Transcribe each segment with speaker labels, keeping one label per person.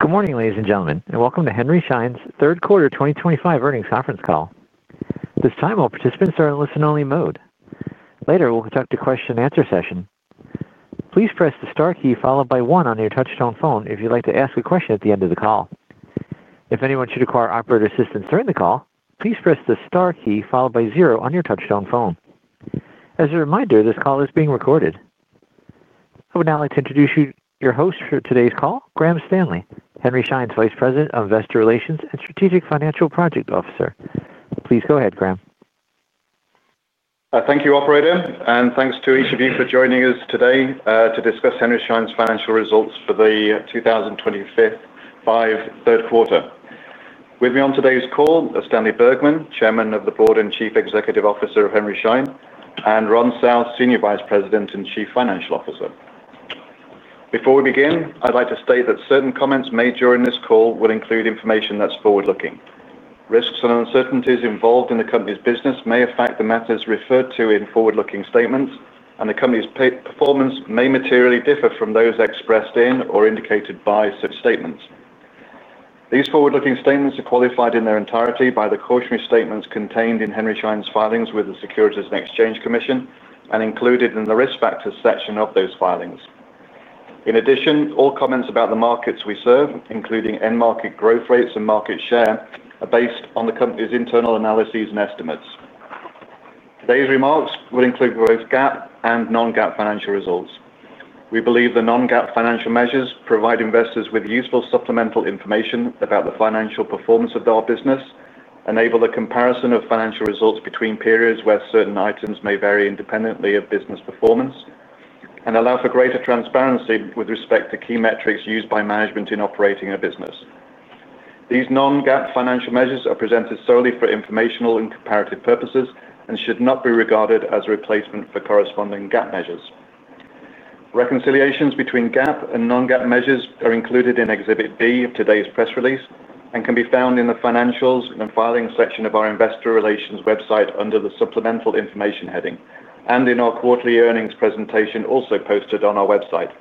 Speaker 1: Good morning, ladies and gentlemen, and welcome to Henry Schein's third quarter 2025 earnings conference call. At this time, all participants are in listen-only mode. Later, we'll conduct a question-and-answer session. Please press the star key followed by one on your touch-tone phone if you'd like to ask a question at the end of the call. If anyone should require operator assistance during the call, please press the star key followed by zero on your touch-tone phone. As a reminder, this call is being recorded. I would now like to introduce you to your host for today's call, Graham Stanley, Henry Schein's Vice President of Investor Relations and Strategic Financial Project Officer. Please go ahead, Graham.
Speaker 2: Thank you, operator, and thanks to each of you for joining us today to discuss Henry Schein's financial results for the 2025 third quarter. With me on today's call are Stanley Bergman, Chairman of the Board and Chief Executive Officer of Henry Schein, and Ron South, Senior Vice President and Chief Financial Officer. Before we begin, I'd like to state that certain comments made during this call will include information that's forward-looking. Risks and uncertainties involved in the company's business may affect the matters referred to in forward-looking statements, and the company's performance may materially differ from those expressed in or indicated by such statements. These forward-looking statements are qualified in their entirety by the cautionary statements contained in Henry Schein's filings with the Securities and Exchange Commission and included in the risk factors section of those filings. In addition, all comments about the markets we serve, including end market growth rates and market share, are based on the company's internal analyses and estimates. Today's remarks will include both GAAP and non-GAAP financial results. We believe the non-GAAP financial measures provide investors with useful supplemental information about the financial performance of our business, enable the comparison of financial results between periods where certain items may vary independently of business performance, and allow for greater transparency with respect to key metrics used by management in operating a business. These non-GAAP financial measures are presented solely for informational and comparative purposes and should not be regarded as a replacement for corresponding GAAP measures. Reconciliations between GAAP and non-GAAP measures are included in Exhibit B of today's press release and can be found in the financials and filings section of our investor relations website under the Supplemental Information heading and in our quarterly earnings presentation also posted on our website.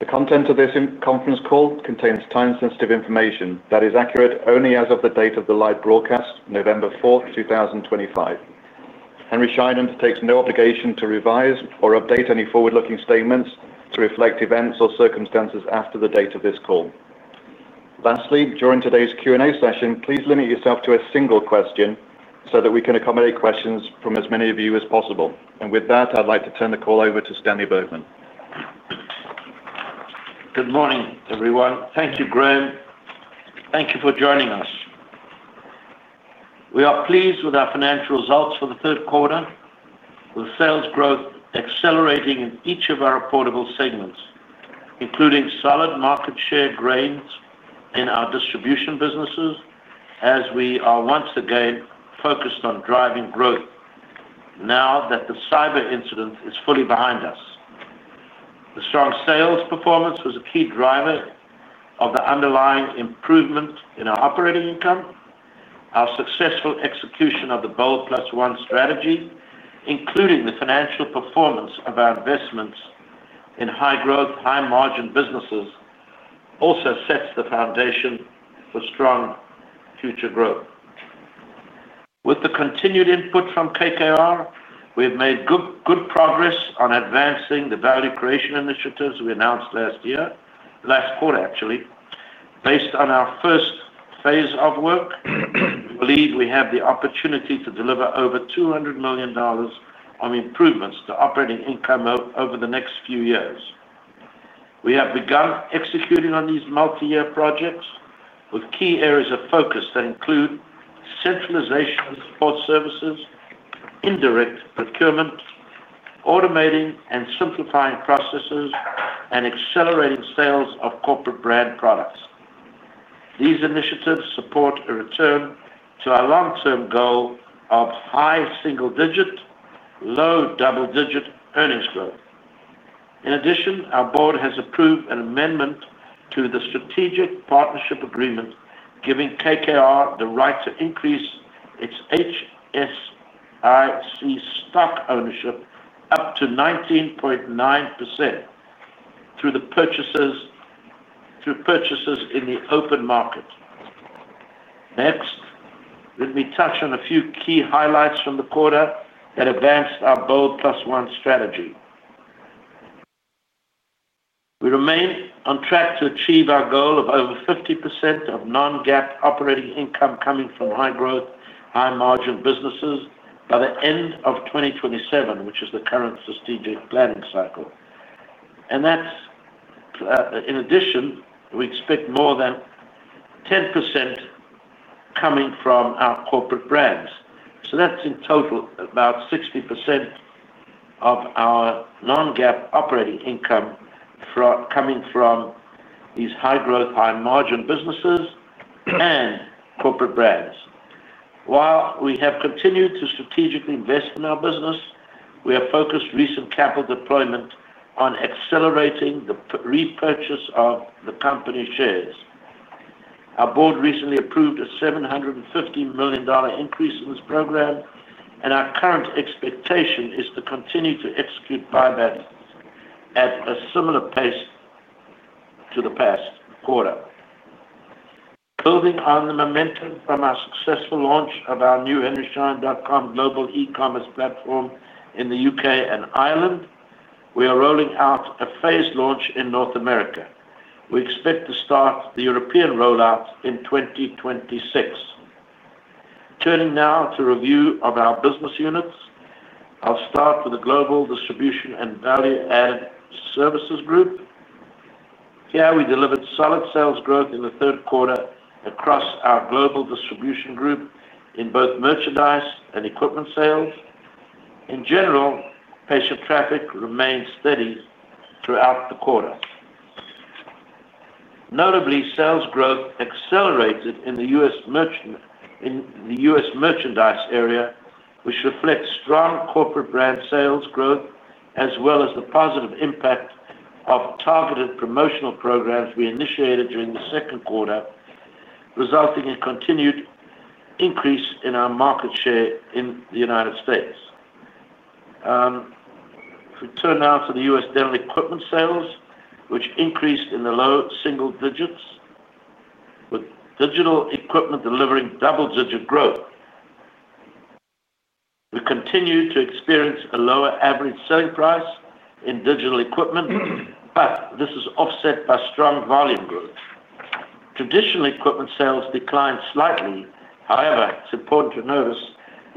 Speaker 2: The content of this conference call contains time-sensitive information that is accurate only as of the date of the live broadcast, November 4th, 2025. Henry Schein undertakes no obligation to revise or update any forward-looking statements to reflect events or circumstances after the date of this call. Lastly, during today's Q&A session, please limit yourself to a single question so that we can accommodate questions from as many of you as possible. With that, I'd like to turn the call over to Stanley Bergman.
Speaker 3: Good morning, everyone. Thank you, Graham. Thank you for joining us. We are pleased with our financial results for the third quarter, with sales growth accelerating in each of our portfolio segments, including solid market share gains in our distribution businesses as we are once again focused on driving growth. Now that the cyber incident is fully behind us, the strong sales performance was a key driver of the underlying improvement in our operating income. Our successful execution of the BOLD+1 strategy, including the financial performance of our investments in high-growth, high-margin businesses, also sets the foundation for strong future growth. With the continued input from KKR, we have made good progress on advancing the value creation initiatives we announced last year, last quarter actually. Based on our first phase of work, we believe we have the opportunity to deliver over $200 million on improvements to operating income over the next few years. We have begun executing on these multi-year projects with key areas of focus that include centralization of support services, indirect procurement, automating and simplifying processes, and accelerating sales of corporate brand products. These initiatives support a return to our long-term goal of high single-digit, low double-digit earnings growth. In addition, our board has approved an amendment to the strategic partnership agreement, giving KKR the right to increase its HSIC stock ownership up to 19.9% through purchases in the open market. Next, let me touch on a few key highlights from the quarter that advanced our BOLD+1 strategy. We remain on track to achieve our goal of over 50% of non-GAAP operating income coming from high-growth, high-margin businesses by the end of 2027, which is the current strategic planning cycle. In addition, we expect more than 10% coming from our corporate brands. So that's in total about 60% of our non-GAAP operating income coming from these high-growth, high-margin businesses and corporate brands. While we have continued to strategically invest in our business, we have focused recent capital deployment on accelerating the repurchase of the company shares. Our board recently approved a $750 million increase in this program, and our current expectation is to continue to execute buybacks at a similar pace to the past quarter. Building on the momentum from our successful launch of our new henryschein.com global e-commerce platform in the U.K. and Ireland, we are rolling out a phased launch in North America. We expect to start the European rollout in 2026. Turning now to review of our business units, I'll start with the global distribution and value-added services group. Here, we delivered solid sales growth in the third quarter across our global distribution group in both merchandise and equipment sales. In general, patient traffic remained steady throughout the quarter. Notably, sales growth accelerated in the U.S. merchandise area, which reflects strong corporate brand sales growth as well as the positive impact of targeted promotional programs we initiated during the second quarter. Resulting in a continued increase in our market share in the United States. We turn now to the U.S. dental equipment sales, which increased in the low single digits, with digital equipment delivering double-digit growth. We continue to experience a lower average selling price in digital equipment, but this is offset by strong volume growth. Traditional equipment sales declined slightly. However, it is important to notice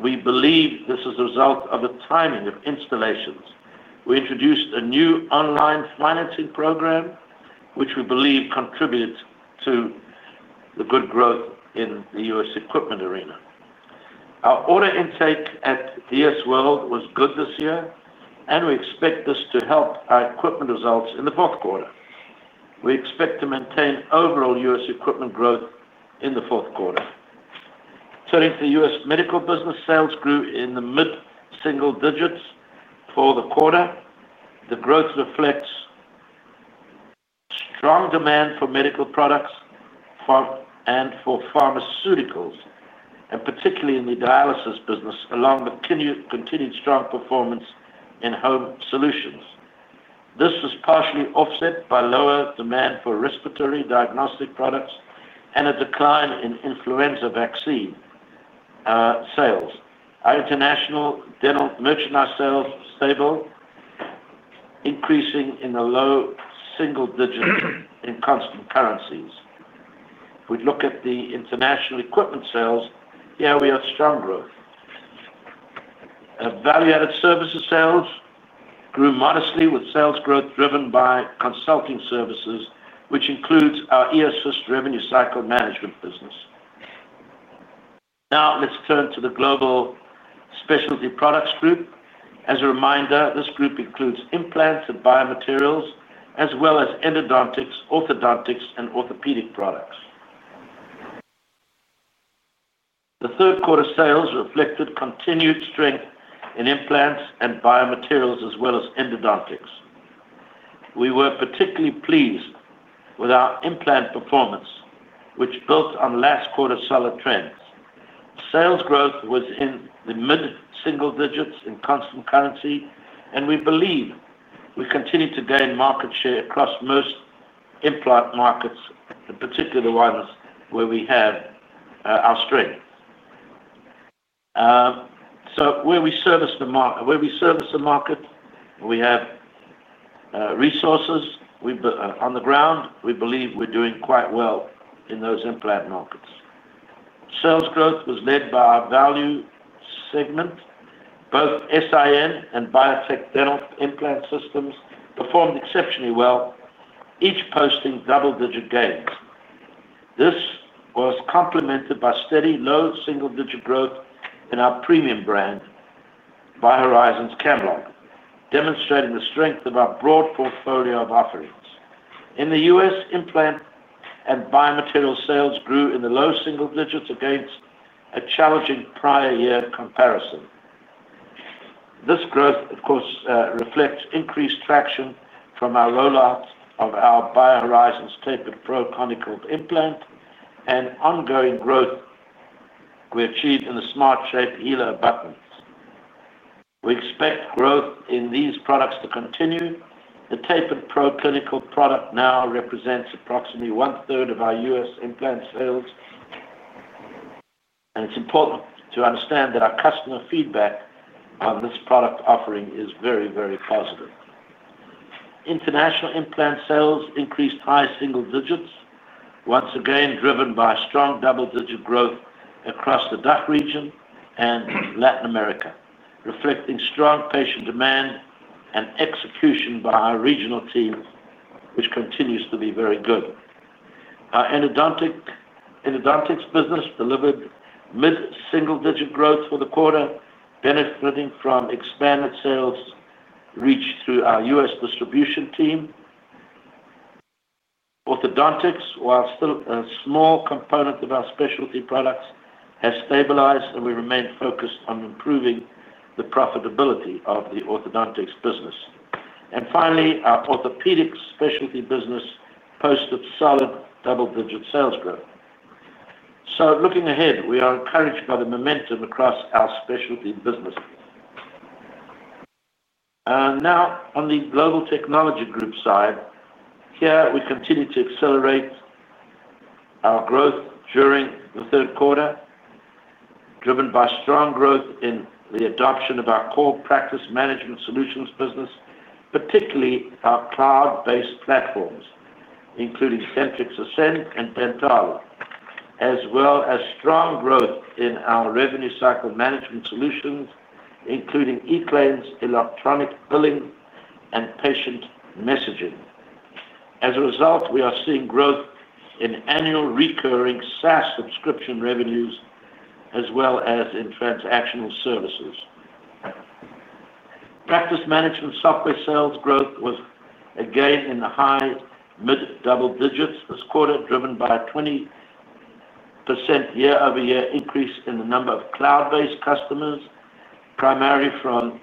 Speaker 3: we believe this is a result of the timing of installations. We introduced a new online financing program, which we believe contributed to the good growth in the U.S. equipment arena. Our order intake at DS World was good this year, and we expect this to help our equipment results in the fourth quarter. We expect to maintain overall U.S. equipment growth in the fourth quarter. Turning to the U.S. medical business, sales grew in the mid-single digits for the quarter. The growth reflects strong demand for medical products and for pharmaceuticals, and particularly in the dialysis business, along with continued strong performance in home solutions. This was partially offset by lower demand for respiratory diagnostic products and a decline in influenza vaccine sales. Our international dental merchandise sales were stable, increasing in the low single digits in constant currencies. We look at the international equipment sales. Here, we have strong growth. Value-added services sales grew modestly, with sales growth driven by consulting services, which includes our ESS revenue cycle management business. Now, let's turn to the global specialty products group. As a reminder, this group includes implants and biomaterials, as well as endodontics, orthodontics, and orthopedic products. The third quarter sales reflected continued strength in implants and biomaterials, as well as endodontics. We were particularly pleased with our implant performance, which built on last quarter's solid trends. Sales growth was in the mid-single digits in constant currency, and we believe we continue to gain market share across most implant markets, particularly the ones where we have our strength. So where we service the market, we have resources on the ground, we believe we are doing quite well in those implant markets. Sales growth was led by our value segment. Both SIN and Biotech Dental Implant Systems performed exceptionally well, each posting double-digit gains. This was complemented by steady low single-digit growth in our premium brand, BioHorizons Camlog, demonstrating the strength of our broad portfolio of offerings. In the U.S., implant and biomaterial sales grew in the low single digits against a challenging prior-year comparison. This growth, of course, reflects increased traction from our rollout of our BioHorizons tapered proconical implant and ongoing growth we achieved in the SmartShape Healing Abutments. We expect growth in these products to continue. The tapered proconical product now represents approximately one-third of our U.S. implant sales, and it is important to understand that our customer feedback on this product offering is very, very positive. International implant sales increased high single digits, once again driven by strong double-digit growth across the Dutch region and Latin America, reflecting strong patient demand and execution by our regional team, which continues to be very good. Our endodontics business delivered mid-single-digit growth for the quarter, benefiting from expanded sales reached through our US distribution team. Orthodontics, while still a small component of our specialty products, has stabilized, and we remain focused on improving the profitability of the orthodontics business. Finally, our orthopedics specialty business posted solid double-digit sales growth. Looking ahead, we are encouraged by the momentum across our specialty business. Now, on the global technology group side, here we continue to accelerate our growth during the third quarter, driven by strong growth in the adoption of our core practice management solutions business, particularly our cloud-based platforms, including Dentrix Ascend and Dentali, as well as strong growth in our revenue cycle management solutions, including eClaims, electronic billing, and patient messaging. As a result, we are seeing growth in annual recurring SaaS subscription revenues, as well as in transactional services. Practice management software sales growth was again in the high mid-double digits this quarter, driven by a 20% year-over-year increase in the number of cloud-based customers, primarily from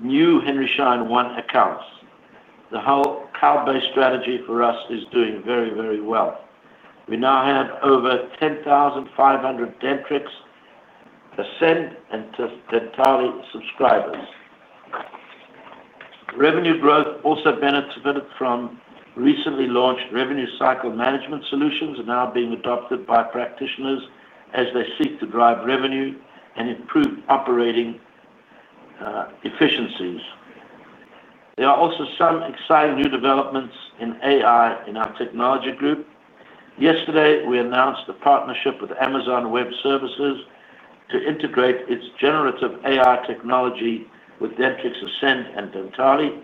Speaker 3: new Henry Schein One accounts. The whole cloud-based strategy for us is doing very, very well. We now have over 10,500 Dentrix Ascend and Dentali subscribers. Revenue growth also benefited from recently launched revenue cycle management solutions and are now being adopted by practitioners as they seek to drive revenue and improve operating efficiencies. There are also some exciting new developments in AI in our technology group. Yesterday, we announced a partnership with Amazon Web Services to integrate its generative AI technology with Dentrix Ascend and Dentali.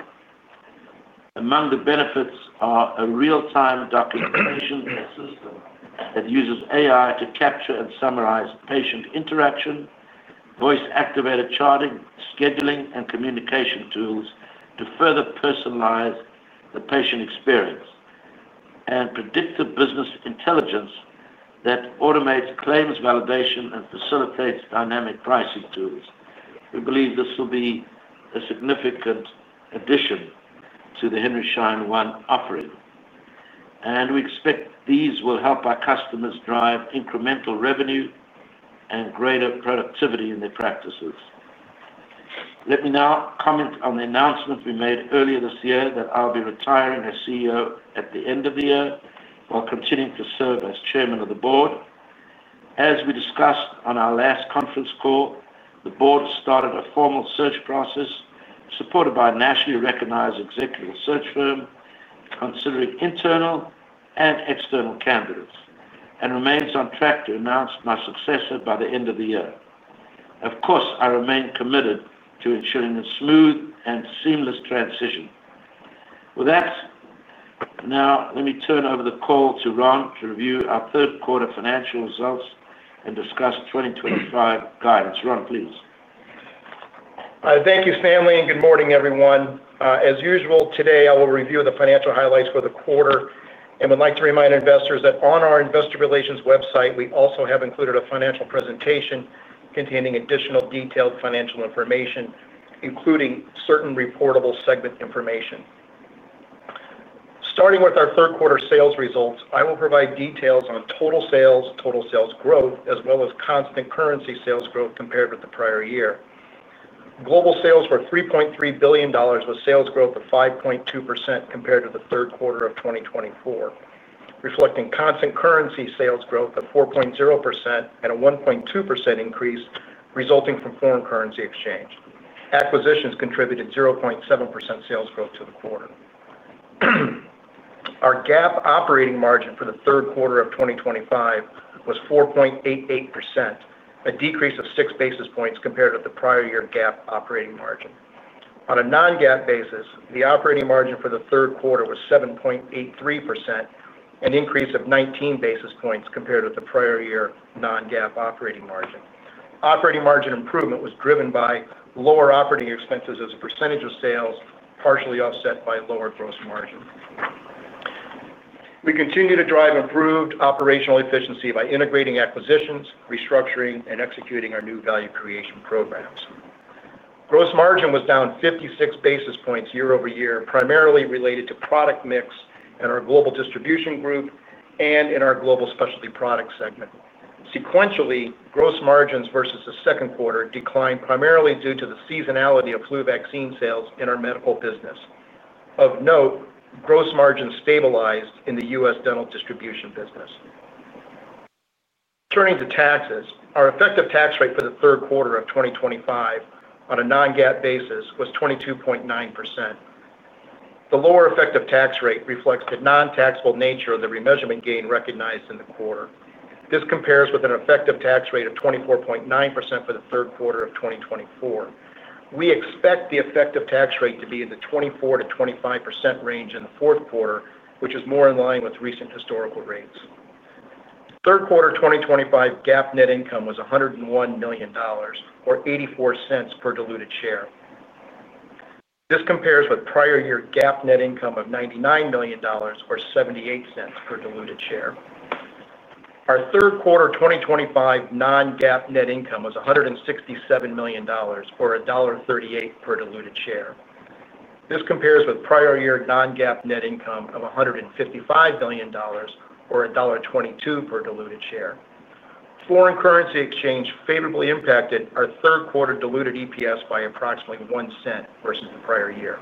Speaker 3: Among the benefits are a real-time documentation system that uses AI to capture and summarize patient interaction, voice-activated charting, scheduling, and communication tools to further personalize the patient experience, and predictive business intelligence that automates claims validation and facilitates dynamic pricing tools. We believe this will be a significant addition to the Henry Schein One offering, and we expect these will help our customers drive incremental revenue and greater productivity in their practices. Let me now comment on the announcement we made earlier this year that I'll be retiring as CEO at the end of the year while continuing to serve as chairman of the board. As we discussed on our last conference call, the board has started a formal search process, supported by a nationally recognized executive search firm, considering internal and external candidates, and remains on track to announce my successor by the end of the year. Of course, I remain committed to ensuring a smooth and seamless transition. With that, now let me turn over the call to Ron to review our third quarter financial results and discuss 2025 guidance. Ron, please.
Speaker 4: Thank you, Stanley, and good morning, everyone. As usual, today, I will review the financial highlights for the quarter and would like to remind investors that on our investor relations website, we also have included a financial presentation containing additional detailed financial information, including certain reportable segment information. Starting with our third quarter sales results, I will provide details on total sales, total sales growth, as well as constant currency sales growth compared with the prior year. Global sales were $3.3 billion, with sales growth of 5.2% compared to the third quarter of 2024. Reflecting constant currency sales growth of 4.0% and a 1.2% increase resulting from foreign currency exchange. Acquisitions contributed 0.7% sales growth to the quarter. Our GAAP operating margin for the third quarter of 2025 was 4.88%, a decrease of six basis points compared with the prior year GAAP operating margin. On a non-GAAP basis, the operating margin for the third quarter was 7.83%, an increase of 19 basis points compared with the prior year non-GAAP operating margin. Operating margin improvement was driven by lower operating expenses as a percentage of sales, partially offset by lower gross margin. We continue to drive improved operational efficiency by integrating acquisitions, restructuring, and executing our new value creation programs. Gross margin was down 56 basis points year-over-year, primarily related to product mix in our global distribution group and in our global specialty product segment. Sequentially, gross margins versus the second quarter declined primarily due to the seasonality of flu vaccine sales in our medical business. Of note, gross margin stabilized in the U.S. dental distribution business. Turning to taxes, our effective tax rate for the third quarter of 2025 on a non-GAAP basis was 22.9%. The lower effective tax rate reflects the non-taxable nature of the remeasurement gain recognized in the quarter. This compares with an effective tax rate of 24.9% for the third quarter of 2024. We expect the effective tax rate to be in the 24%-25% range in the fourth quarter, which is more in line with recent historical rates. Third quarter 2025 GAAP net income was $101 million, or $0.84 per diluted share. This compares with prior year GAAP net income of $99 million, or $0.78 per diluted share. Our third quarter 2025 non-GAAP net income was $167 million, or $1.38 per diluted share. This compares with prior year non-GAAP net income of $155 million, or $1.22 per diluted share. Foreign currency exchange favorably impacted our third quarter diluted EPS by approximately $0.01 versus the prior year.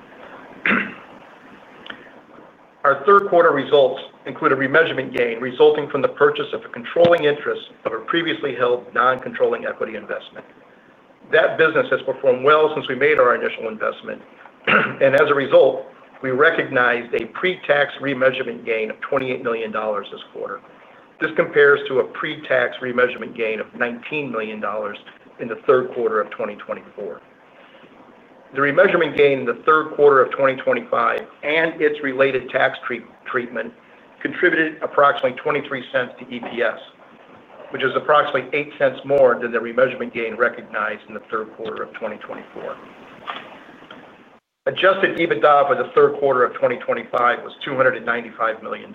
Speaker 4: Our third quarter results include a remeasurement gain resulting from the purchase of a controlling interest of a previously held non-controlling equity investment. That business has performed well since we made our initial investment. As a result, we recognized a pre-tax remeasurement gain of $28 million this quarter. This compares to a pre-tax remeasurement gain of $19 million in the third quarter of 2024. The remeasurement gain in the third quarter of 2025 and its related tax treatment contributed approximately $0.23 to EPS, which is approximately $0.08 more than the remeasurement gain recognized in the third quarter of 2024. Adjusted EBITDA for the third quarter of 2025 was $295 million,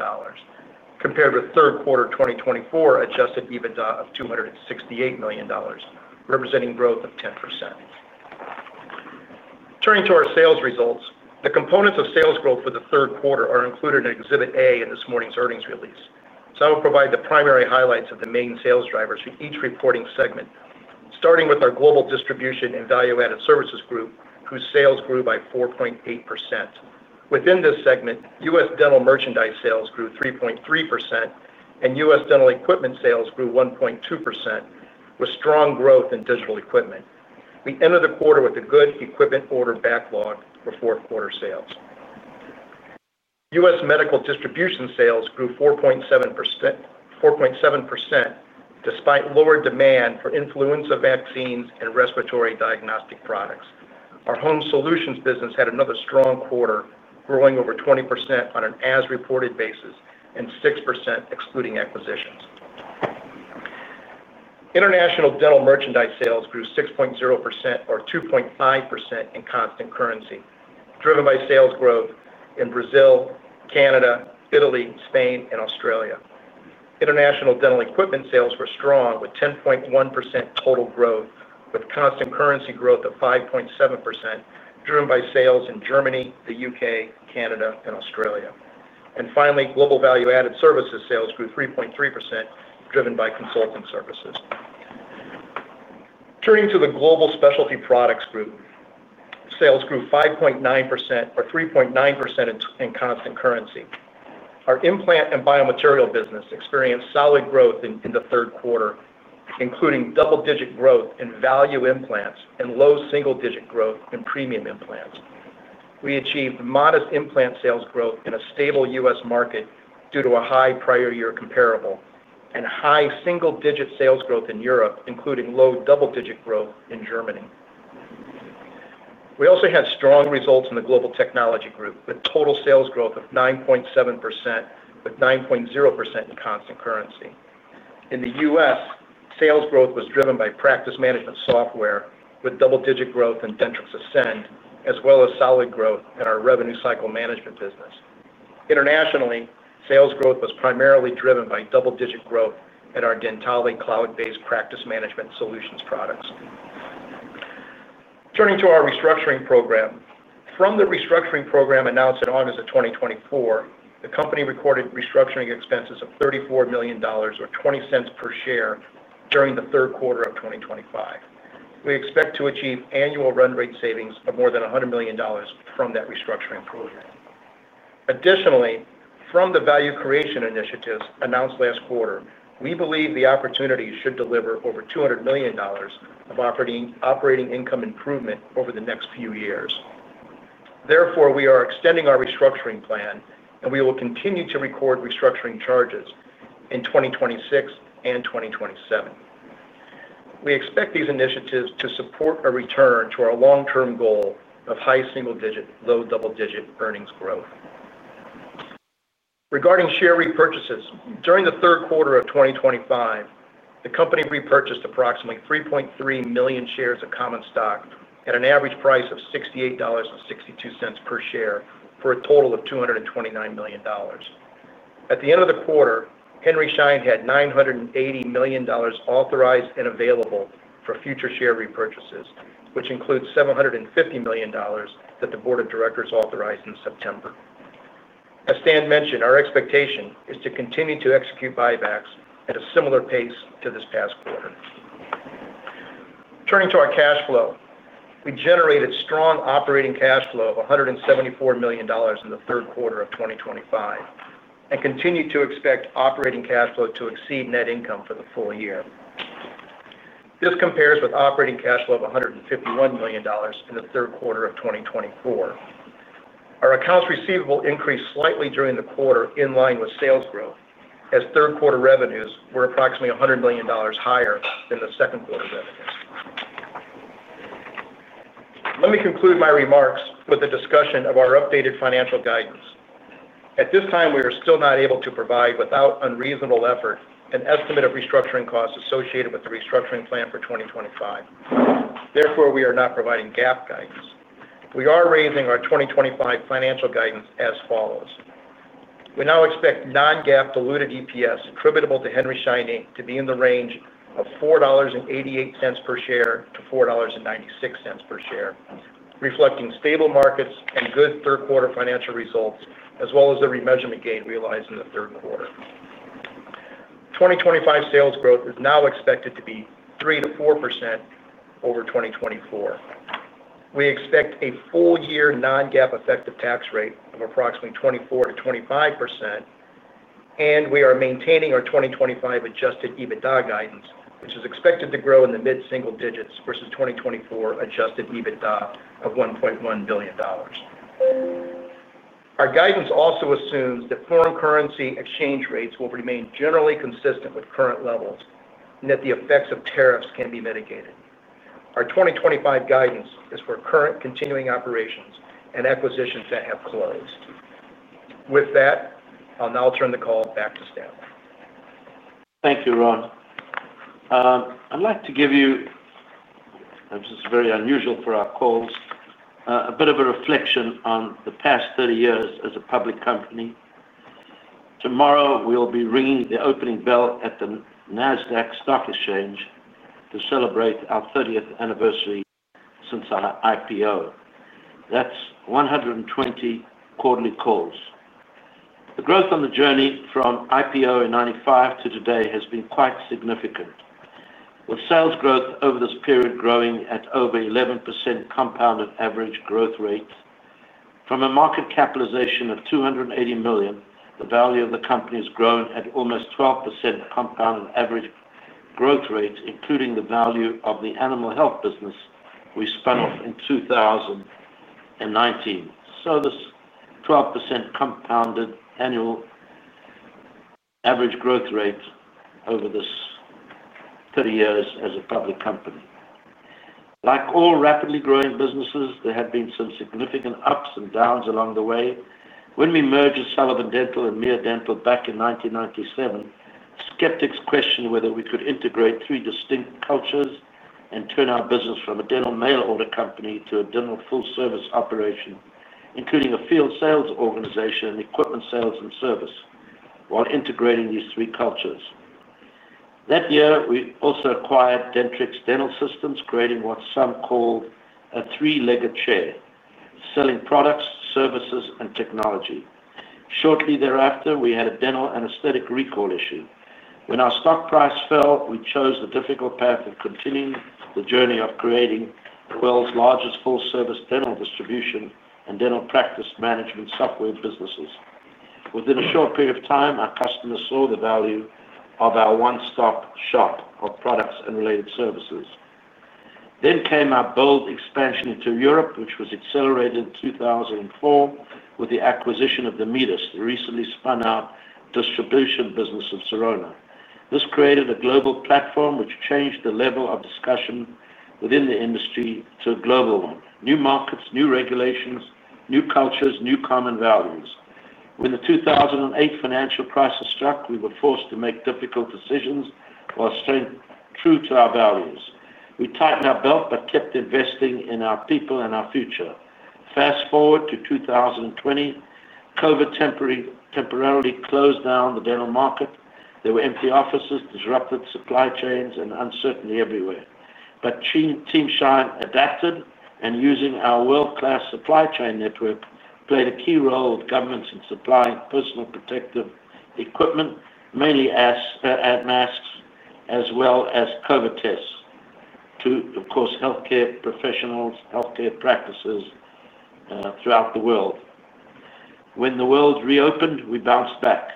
Speaker 4: compared with third quarter 2024 Adjusted EBITDA of $268 million, representing growth of 10%. Turning to our sales results, the components of sales growth for the third quarter are included in Exhibit A in this morning's earnings release. I will provide the primary highlights of the main sales drivers for each reporting segment, starting with our global distribution and value-added services group, whose sales grew by 4.8%. Within this segment, U.S. dental merchandise sales grew 3.3%, and U.S. dental equipment sales grew 1.2%, with strong growth in digital equipment. We ended the quarter with a good equipment order backlog for fourth quarter sales. U.S. medical distribution sales grew 4.7%, despite lower demand for influenza vaccines and respiratory diagnostic products. Our home solutions business had another strong quarter, growing over 20% on an as-reported basis and 6% excluding acquisitions. International dental merchandise sales grew 6.0% or 2.5% in constant currency, driven by sales growth in Brazil, Canada, Italy, Spain, and Australia. International dental equipment sales were strong, with 10.1% total growth, with constant currency growth of 5.7%, driven by sales in Germany, the U.K., Canada, and Australia. Global value-added services sales grew 3.3%, driven by consulting services. Turning to the global specialty products group, sales grew 5.9% or 3.9% in constant currency. Our implant and biomaterial business experienced solid growth in the third quarter, including double-digit growth in value implants and low single-digit growth in premium implants. We achieved modest implant sales growth in a stable U.S. market due to a high prior-year comparable and high single-digit sales growth in Europe, including low double-digit growth in Germany. We also had strong results in the global technology group, with total sales growth of 9.7%, with 9.0% in constant currency. In the U.S., sales growth was driven by practice management software, with double-digit growth in Dentrix Ascend, as well as solid growth in our revenue cycle management business. Internationally, sales growth was primarily driven by double-digit growth in our Dentali cloud-based practice management solutions products. Turning to our restructuring program, from the restructuring program announced in August of 2024, the company recorded restructuring expenses of $34 million, or $0.20 per share, during the third quarter of 2025. We expect to achieve annual run-rate savings of more than $100 million from that restructuring program. Additionally, from the value creation initiatives announced last quarter, we believe the opportunity should deliver over $200 million of operating income improvement over the next few years. Therefore, we are extending our restructuring plan, and we will continue to record restructuring charges in 2026 and 2027. We expect these initiatives to support a return to our long-term goal of high single-digit, low double-digit earnings growth. Regarding share repurchases, during the third quarter of 2025, the company repurchased approximately 3.3 million shares of common stock at an average price of $68.62 per share for a total of $229 million. At the end of the quarter, Henry Schein had $980 million authorized and available for future share repurchases, which includes $750 million that the board of directors authorized in September. As Stan mentioned, our expectation is to continue to execute buybacks at a similar pace to this past quarter. Turning to our cash flow, we generated strong operating cash flow of $174 million in the third quarter of 2025 and continue to expect operating cash flow to exceed net income for the full year. This compares with operating cash flow of $151 million in the third quarter of 2024. Our accounts receivable increased slightly during the quarter in line with sales growth, as third quarter revenues were approximately $100 million higher than the second quarter revenues. Let me conclude my remarks with a discussion of our updated financial guidance. At this time, we are still not able to provide, without unreasonable effort, an estimate of restructuring costs associated with the restructuring plan for 2025. Therefore, we are not providing GAAP guidance. We are raising our 2025 financial guidance as follows. We now expect non-GAAP diluted EPS attributable to Henry Schein to be in the range of $4.88 per share-$4.96 per share, reflecting stable markets and good third quarter financial results, as well as the remeasurement gain realized in the third quarter. 2025 sales growth is now expected to be 3%-4% over 2024. We expect a full-year non-GAAP effective tax rate of approximately 24%-25%. We are maintaining our 2025 Adjusted EBITDA guidance, which is expected to grow in the mid-single digits versus 2024 Adjusted EBITDA of $1.1 billion. Our guidance also assumes that foreign currency exchange rates will remain generally consistent with current levels and that the effects of tariffs can be mitigated. Our 2025 guidance is for current continuing operations and acquisitions that have closed. With that, I'll now turn the call back to Stanley.
Speaker 3: Thank you, Ron. I'd like to give you. This is very unusual for our calls, a bit of a reflection on the past 30 years as a public company. Tomorrow, we'll be ringing the opening bell at the NASDAQ Stock Exchange to celebrate our 30th anniversary since our IPO. That's 120 quarterly calls. The growth on the journey from IPO in 1995 to today has been quite significant. With sales growth over this period growing at over 11% compounded average growth rate, from a market capitalization of $280 million, the value of the company has grown at almost 12% compounded average growth rate, including the value of the animal health business we spun off in 2019. This 12% compounded annual average growth rate over this 30 years as a public company. Like all rapidly growing businesses, there have been some significant ups and downs along the way. When we merged Sullivan Dental and Meara Dental back in 1997, skeptics questioned whether we could integrate three distinct cultures and turn our business from a dental mail order company to a dental full-service operation, including a field sales organization and equipment sales and service, while integrating these three cultures. That year, we also acquired Dentrix Dental Systems, creating what some call a three-legged chair, selling products, services, and technology. Shortly thereafter, we had a dental anesthetic recall issue. When our stock price fell, we chose the difficult path of continuing the journey of creating the world's largest full-service dental distribution and dental practice management software businesses. Within a short period of time, our customers saw the value of our one-stop shop of products and related services. Then came our bold expansion into Europe, which was accelerated in 2004 with the acquisition of the Metis, the recently spun-out distribution business of Sirona. This created a global platform, which changed the level of discussion within the industry to a global one. New markets, new regulations, new cultures, new common values. When the 2008 financial crisis struck, we were forced to make difficult decisions while staying true to our values. We tightened our belt but kept investing in our people and our future. Fast forward to 2020, COVID temporarily closed down the dental market. There were empty offices, disrupted supply chains, and uncertainty everywhere. Team Schein adapted, and using our world-class supply chain network, played a key role with governments in supplying personal protective equipment, mainly. Masks, as well as COVID tests. To, of course, healthcare professionals, healthcare practices. Throughout the world. When the world reopened, we bounced back.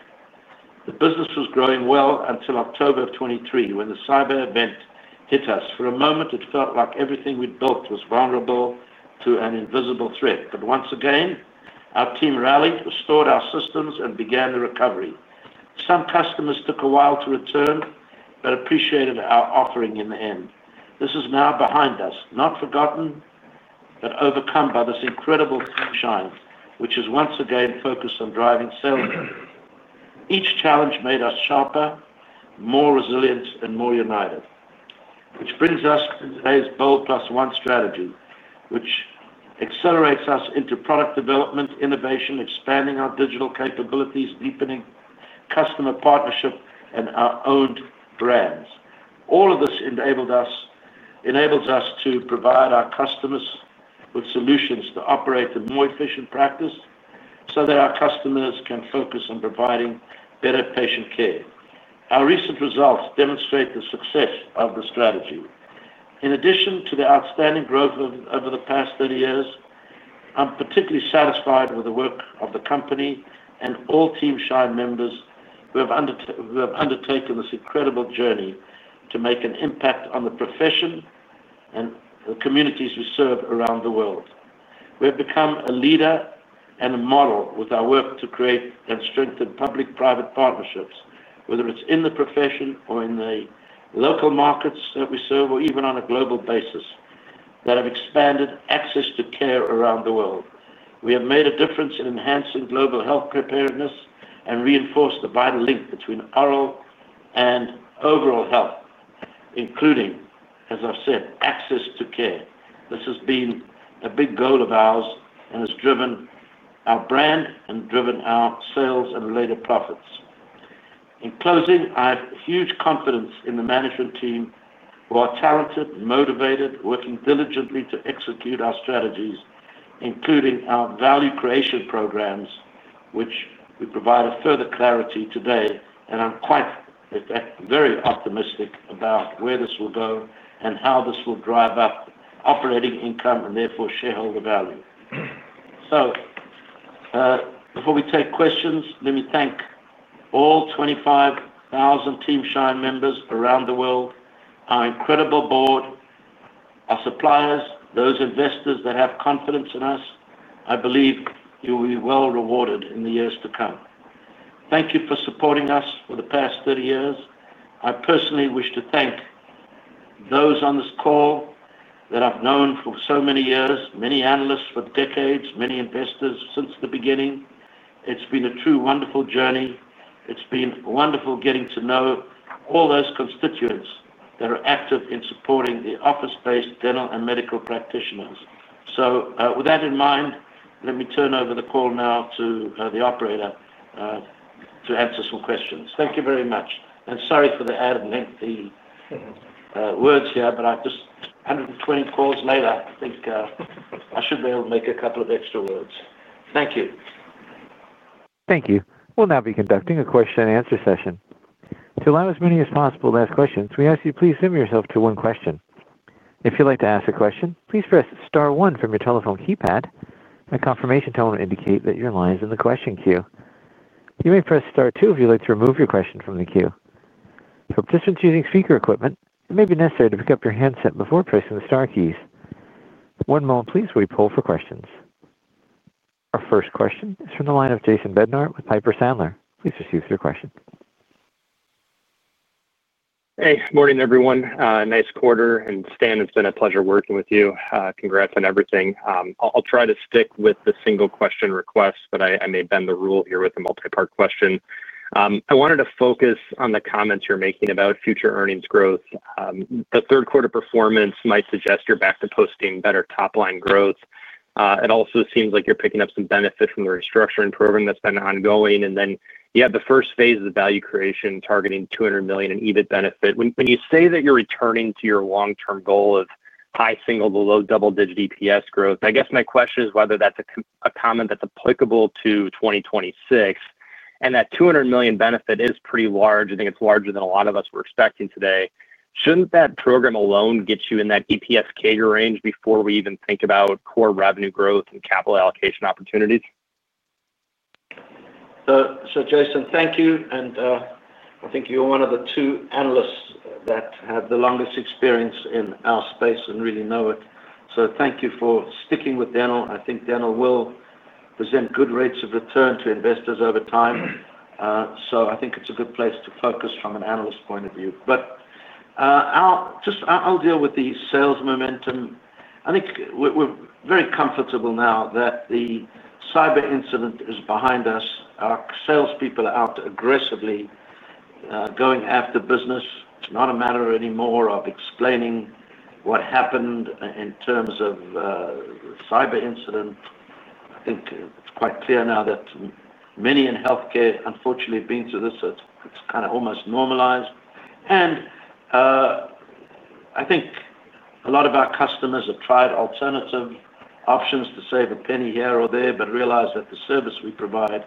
Speaker 3: The business was growing well until October of 2023, when the cyber event hit us. For a moment, it felt like everything we'd built was vulnerable to an invisible threat. Once again, our team rallied, restored our systems, and began the recovery. Some customers took a while to return but appreciated our offering in the end. This is now behind us, not forgotten, but overcome by this incredible Team Schein, which is once again focused on driving sales growth. Each challenge made us sharper, more resilient, and more united. Which brings us to today's BOLD+1 strategy, which accelerates us into product development, innovation, expanding our digital capabilities, deepening customer partnership, and our own brands. All of this enables us to provide our customers with solutions to operate a more efficient practice so that our customers can focus on providing better patient care. Our recent results demonstrate the success of the strategy. In addition to the outstanding growth over the past 30 years, I'm particularly satisfied with the work of the company and all Team Schein members who have undertaken this incredible journey to make an impact on the profession and the communities we serve around the world. We have become a leader and a model with our work to create and strengthen public-private partnerships, whether it's in the profession or in the local markets that we serve, or even on a global basis, that have expanded access to care around the world. We have made a difference in enhancing global health preparedness and reinforced the vital link between oral and overall health. Including, as I've said, access to care. This has been a big goal of ours and has driven our brand and driven our sales and related profits. In closing, I have huge confidence in the management team who are talented, motivated, working diligently to execute our strategies, including our value creation programs, which we provide further clarity today. I'm quite, very optimistic about where this will go and how this will drive up operating income and therefore shareholder value. Before we take questions, let me thank all 25,000 Team Schein members around the world, our incredible board, our suppliers, those investors that have confidence in us. I believe you will be well rewarded in the years to come. Thank you for supporting us for the past 30 years. I personally wish to thank those on this call that I've known for so many years, many analysts for decades, many investors since the beginning. It's been a true wonderful journey. It's been wonderful getting to know all those constituents that are active in supporting the office-based dental and medical practitioners. With that in mind, let me turn over the call now to the operator to answer some questions. Thank you very much. Sorry for the ad-lib words here, but I just, 120 calls later, I think I should be able to make a couple of extra words. Thank you.
Speaker 1: Thank you. We'll now be conducting a question-and-answer session. To allow as many as possible to ask questions, we ask you to please limit yourself to one question. If you'd like to ask a question, please press star one from your telephone keypad, and a confirmation tone will indicate that your line is in the question queue. You may press star two if you'd like to remove your question from the queue. For participants using speaker equipment, it may be necessary to pick up your handset before pressing the star keys. One moment, please, while we poll for questions. Our first question is from the line of Jason Bednar with Piper Sandler. Please proceed with your question.
Speaker 5: Hey. Morning, everyone. Nice quarter, and Stan, it's been a pleasure working with you. Congrats on everything. I'll try to stick with the single-question request, but I may bend the rule here with a multi-part question. I wanted to focus on the comments you're making about future earnings growth. The third-quarter performance might suggest you're back to posting better top-line growth. It also seems like you're picking up some benefit from the restructuring program that's been ongoing. And then, yeah, the first phase of the value creation targeting $200 million in EBIT benefit. When you say that you're returning to your long-term goal of high single to low double-digit EPS growth, I guess my question is whether that's a comment that's applicable to 2026. And that $200 million benefit is pretty large. I think it's larger than a lot of us were expecting today. Shouldn't that program alone get you in that EPS CAGR range before we even think about core revenue growth and capital allocation opportunities?
Speaker 3: So, Jason, thank you. And I think you're one of the two analysts that have the longest experience in our space and really know it. So thank you for sticking with dental. I think dental will present good rates of return to investors over time. I think it's a good place to focus from an analyst point of view. I'll deal with the sales momentum. I think we're very comfortable now that the cyber incident is behind us. Our salespeople are out aggressively going after business. It's not a matter anymore of explaining what happened in terms of the cyber incident. I think it's quite clear now that many in healthcare, unfortunately, have been through this. It's kind of almost normalized. I think a lot of our customers have tried alternative options to save a penny here or there but realize that the service we provide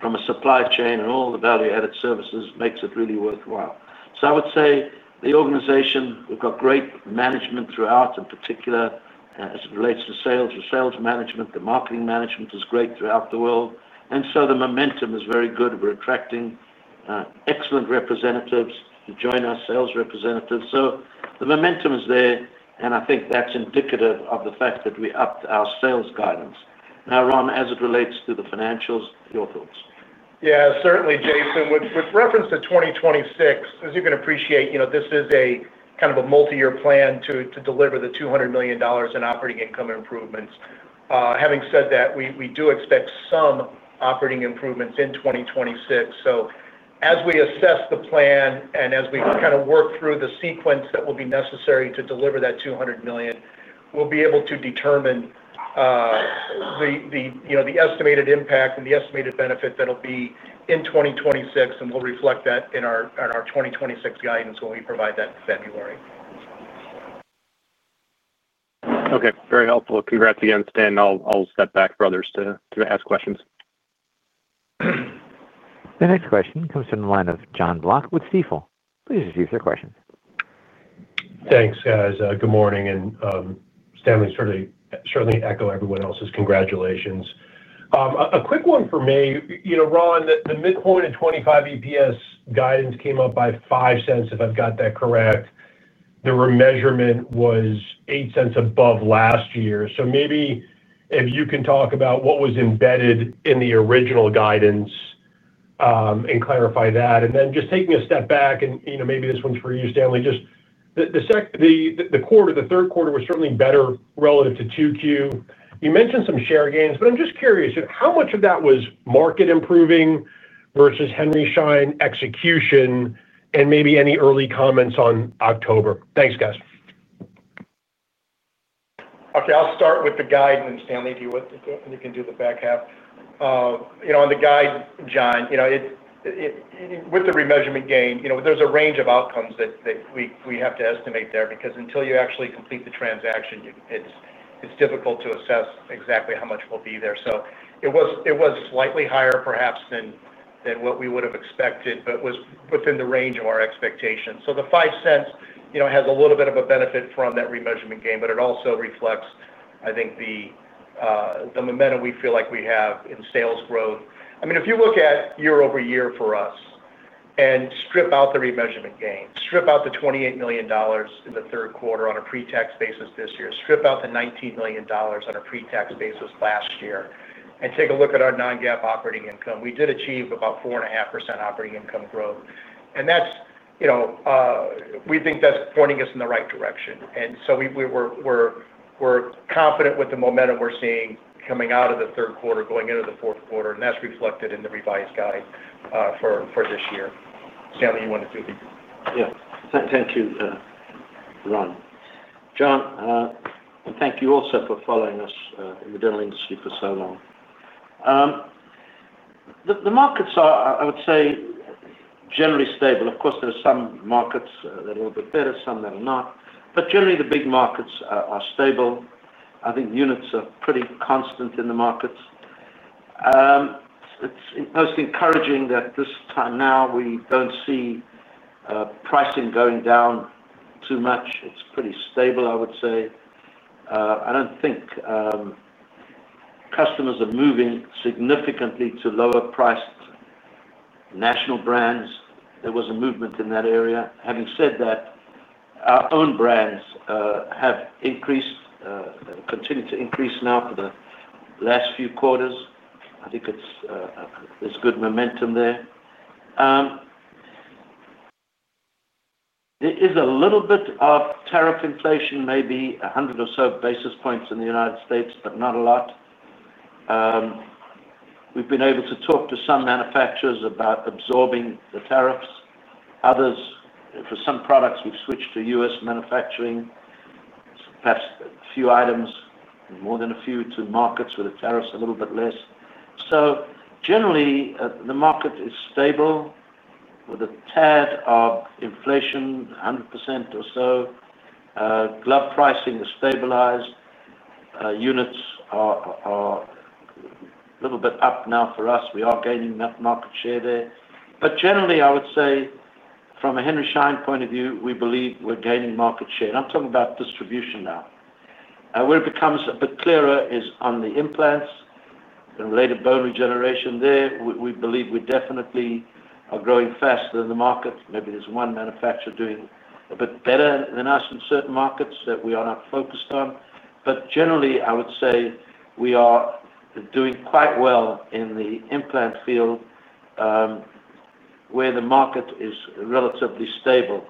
Speaker 3: from a supply chain and all the value-added services makes it really worthwhile. I would say the organization, we've got great management throughout, in particular as it relates to sales, the sales management, the marketing management is great throughout the world. The momentum is very good. We're attracting excellent representatives to join our sales representatives. The momentum is there, and I think that's indicative of the fact that we upped our sales guidance. Now, Ron, as it relates to the financials, your thoughts.
Speaker 4: Yeah, certainly, Jason. With reference to 2026, as you can appreciate, this is a kind of a multi-year plan to deliver the $200 million in operating income improvements. Having said that, we do expect some operating improvements in 2026. As we assess the plan and as we kind of work through the sequence that will be necessary to deliver that $200 million, we'll be able to determine the estimated impact and the estimated benefit that'll be in 2026, and we'll reflect that in our 2026 guidance when we provide that in February.
Speaker 5: Okay. Very helpful. Congrats again, Stan. I'll step back for others to ask questions.
Speaker 1: The next question comes from the line of John Block with Stifel. Please receive their questions.
Speaker 6: Thanks, guys. Good morning. Stanley, certainly echo everyone else's congratulations. A quick one for me. Ron, the midpoint in 2025 EPS guidance came up by $0.05, if I've got that correct. The re-measurement was $0.08 above last year. Maybe if you can talk about what was embedded in the original guidance and clarify that. Just taking a step back, and maybe this one's for you, Stanley, the quarter, the third quarter was certainly better relative to Q2. You mentioned some share gains, but I'm just curious how much of that was market improving versus Henry Schein execution and maybe any early comments on October. Thanks, guys.
Speaker 4: Okay. I'll start with the guidance, Stanley, if you can do the back half. On the guide, John, with the remeasurement gain, there's a range of outcomes that we have to estimate there because until you actually complete the transaction, it's difficult to assess exactly how much will be there. It was slightly higher, perhaps, than what we would have expected, but it was within the range of our expectations. The $0.05 has a little bit of a benefit from that remeasurement gain, but it also reflects, I think, the momentum we feel like we have in sales growth. I mean, if you look at year-over-year for us and strip out the remeasurement gain, strip out the $28 million in the third quarter on a pre-tax basis this year, strip out the $19 million on a pre-tax basis last year, and take a look at our non-GAAP operating income, we did achieve about 4.5% operating income growth. We think that's pointing us in the right direction. We're confident with the momentum we're seeing coming out of the third quarter, going into the fourth quarter, and that's reflected in the revised guide for this year. Stanley, you want to do the—
Speaker 3: Yeah. Thank you, Ron. John, and thank you also for following us in the dental industry for so long. The markets are, I would say, generally stable. Of course, there are some markets that are a little bit better, some that are not, but generally, the big markets are stable. I think units are pretty constant in the markets. It's most encouraging that this time now we don't see pricing going down too much. It's pretty stable, I would say. I don't think customers are moving significantly to lower-priced national brands. There was a movement in that area. Having said that, our own brands have increased, continued to increase now for the last few quarters. I think there's good momentum there. There is a little bit of tariff inflation, maybe 100 or so basis points in the United States, but not a lot. We've been able to talk to some manufacturers about absorbing the tariffs. For some products, we've switched to U.S. manufacturing. Perhaps a few items, more than a few, to markets with the tariffs a little bit less. Generally, the market is stable with a tad of inflation, 100 basis points or so. Glove pricing has stabilized. Units are a little bit up now for us. We are gaining enough market share there. Generally, I would say. From a Henry Schein point of view, we believe we're gaining market share. I'm talking about distribution now. Where it becomes a bit clearer is on the implants. And related bone regeneration there, we believe we definitely are growing faster than the market. Maybe there's one manufacturer doing a bit better than us in certain markets that we are not focused on. Generally, I would say we are doing quite well in the implant field, where the market is relatively stable.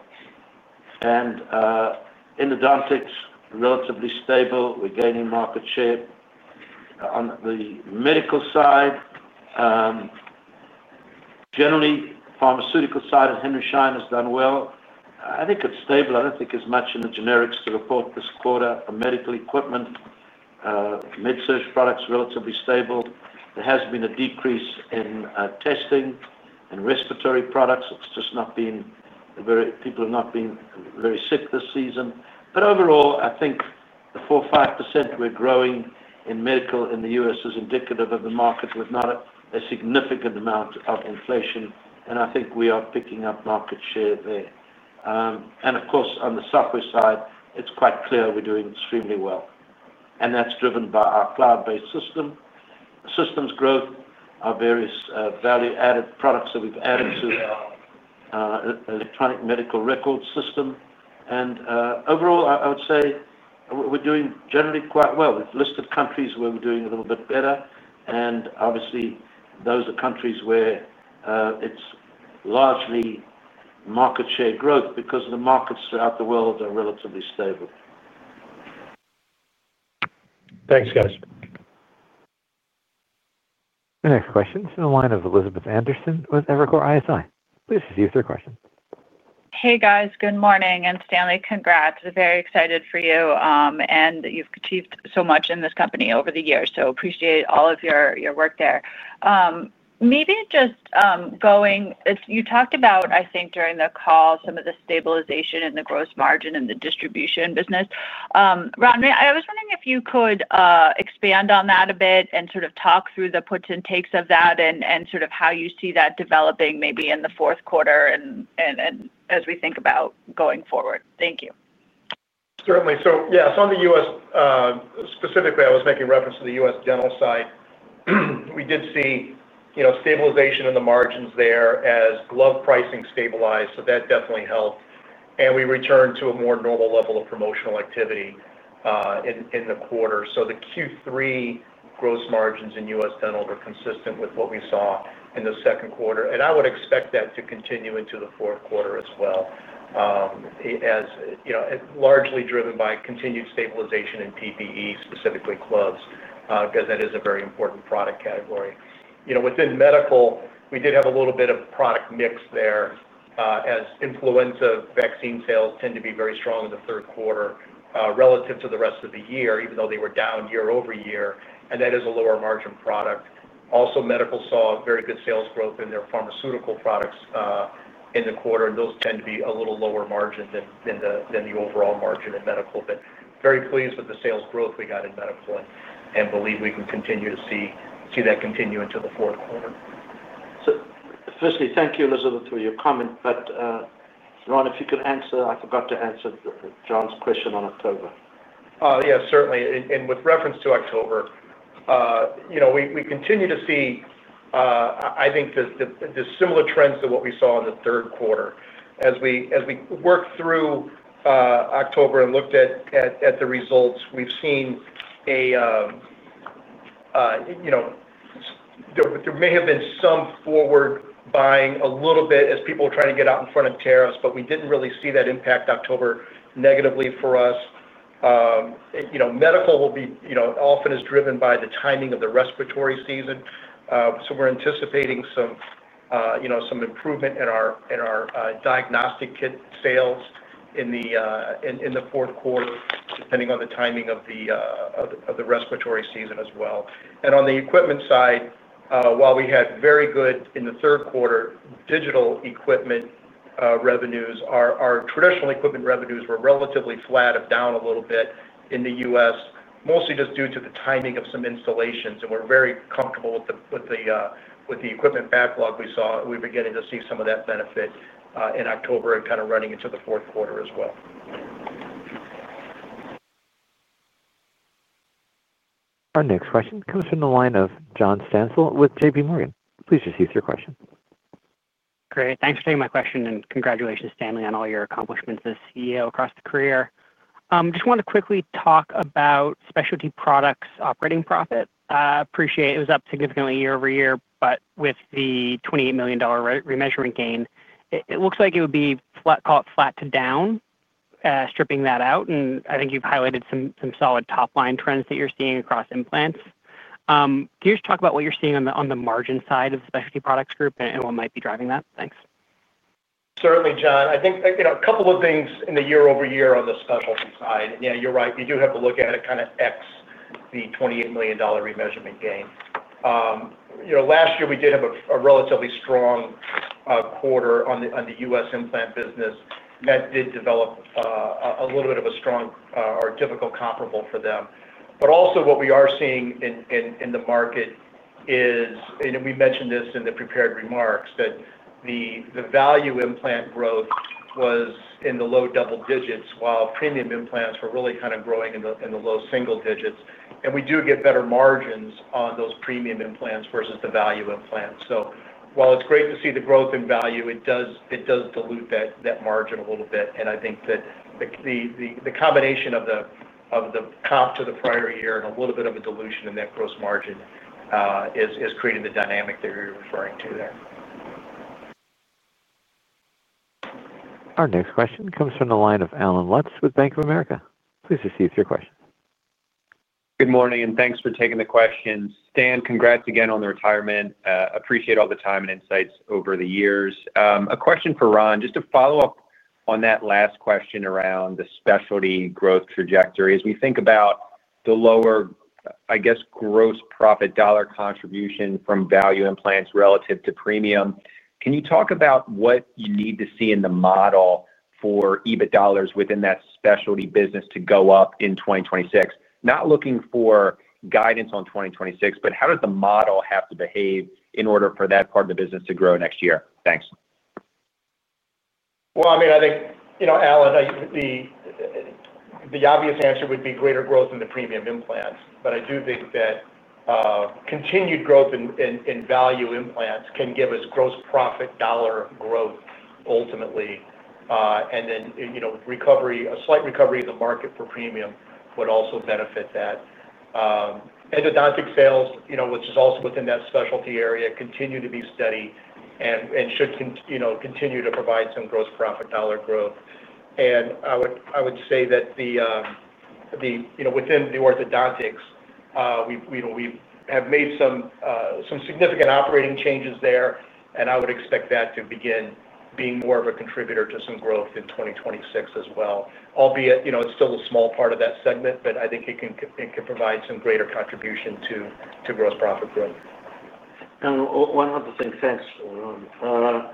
Speaker 3: In the dental, it's relatively stable. We're gaining market share. On the medical side, generally, the pharmaceutical side of Henry Schein has done well. I think it's stable. I don't think there's much in the generics to report this quarter. The medical equipment, mid-surgery products are relatively stable. There has been a decrease in testing and respiratory products. It's just not been—people have not been very sick this season. Overall, I think the 4%-5% we're growing in medical in the US is indicative of the market with not a significant amount of inflation. I think we are picking up market share there. Of course, on the software side, it's quite clear we're doing extremely well. That's driven by our cloud-based system, systems growth, our various value-added products that we've added to our electronic medical records system. Overall, I would say we're doing generally quite well. We've listed countries where we're doing a little bit better. Obviously, those are countries where it's largely market share growth because the markets throughout the world are relatively stable.
Speaker 6: Thanks, guys.
Speaker 1: The next question is from the line of Elizabeth Anderson with Evercore ISI. Please proceed with your question.
Speaker 7: Hey, guys. Good morning. Stanley, congrats. Very excited for you. You've achieved so much in this company over the years, so appreciate all of your work there. Maybe just going—you talked about, I think, during the call, some of the stabilization in the gross margin and the distribution business. Ron, I was wondering if you could expand on that a bit and sort of talk through the puts and takes of that and sort of how you see that developing maybe in the fourth quarter and as we think about going forward. Thank you.
Speaker 4: Certainly. On the US, specifically, I was making reference to the US dental side. We did see stabilization in the margins there as glove pricing stabilized. That definitely helped. We returned to a more normal level of promotional activity in the quarter. The Q3 gross margins in US dental were consistent with what we saw in the second quarter. I would expect that to continue into the fourth quarter as well, largely driven by continued stabilization in PPE, specifically gloves, because that is a very important product category. Within medical, we did have a little bit of product mix there as influenza vaccine sales tend to be very strong in the third quarter relative to the rest of the year, even though they were down year-over-year. That is a lower margin product. Also, medical saw very good sales growth in their pharmaceutical products in the quarter. Those tend to be a little lower margin than the overall margin in medical. Very pleased with the sales growth we got in medical and believe we can continue to see that continue into the fourth quarter.
Speaker 3: Firstly, thank you, Elizabeth, for your comment. Ron, if you could answer, I forgot to answer John's question on October.
Speaker 4: Oh, yeah, certainly. With reference to October, we continue to see, I think, the similar trends to what we saw in the third quarter. As we worked through October and looked at the results, we've seen a, there may have been some forward buying a little bit as people were trying to get out in front of tariffs, but we didn't really see that impact October negatively for us. Medical will be often as driven by the timing of the respiratory season. We're anticipating some improvement in our diagnostic kit sales in the fourth quarter, depending on the timing of the respiratory season as well. On the equipment side, while we had very good, in the third quarter, digital equipment revenues, our traditional equipment revenues were relatively flat, down a little bit in the US, mostly just due to the timing of some installations. We're very comfortable with the equipment backlog we saw. We were getting to see some of that benefit in October and kind of running into the fourth quarter as well.
Speaker 1: Our next question comes from the line of John Stansel with JPMorgan. Please proceed with your question.
Speaker 8: Great. Thanks for taking my question. Congratulations, Stanley, on all your accomplishments as CEO across the career. I just want to quickly talk about specialty products' operating profit. It was up significantly year-over-year, but with the $28 million remeasurement gain, it looks like it would be flat to down, stripping that out. I think you've highlighted some solid top-line trends that you're seeing across implants. Can you just talk about what you're seeing on the margin side of the specialty products group and what might be driving that? Thanks.
Speaker 4: Certainly, John. I think a couple of things in the year-over-year on the specialty side. Yeah, you're right. You do have to look at it kind of X the $28 million remeasurement gain. Last year, we did have a relatively strong quarter on the US implant business. That did develop a little bit of a strong or difficult comparable for them. But also, what we are seeing in the market is, and we mentioned this in the prepared remarks, that the value implant growth was in the low double digits, while premium implants were really kind of growing in the low single digits. We do get better margins on those premium implants versus the value implants. While it's great to see the growth in value, it does dilute that margin a little bit. I think that the combination of the comp to the prior year and a little bit of a dilution in that gross margin is creating the dynamic that you're referring to there.
Speaker 1: Our next question comes from the line of Alan Lutz with Bank of America. Please proceed with your question.
Speaker 9: Good morning. Thanks for taking the question. Stan, congrats again on the retirement. Appreciate all the time and insights over the years. A question for Ron, just to follow-up on that last question around the specialty growth trajectory. As we think about the lower, I guess, gross profit dollar contribution from value implants relative to premium, can you talk about what you need to see in the model for EBIT dollars within that specialty business to go up in 2026? Not looking for guidance on 2026, but how does the model have to behave in order for that part of the business to grow next year? Thanks.
Speaker 4: I mean, I think, Alan, the obvious answer would be greater growth in the premium implants. I do think that continued growth in value implants can give us gross profit dollar growth ultimately. A slight recovery of the market for premium would also benefit that. Endodontic sales, which is also within that specialty area, continue to be steady and should continue to provide some gross profit dollar growth. I would say that within the orthodontics, we have made some significant operating changes there. I would expect that to begin being more of a contributor to some growth in 2026 as well. Albeit, it's still a small part of that segment, but I think it can provide some greater contribution to gross profit growth.
Speaker 3: One other thing. Thanks, Ron.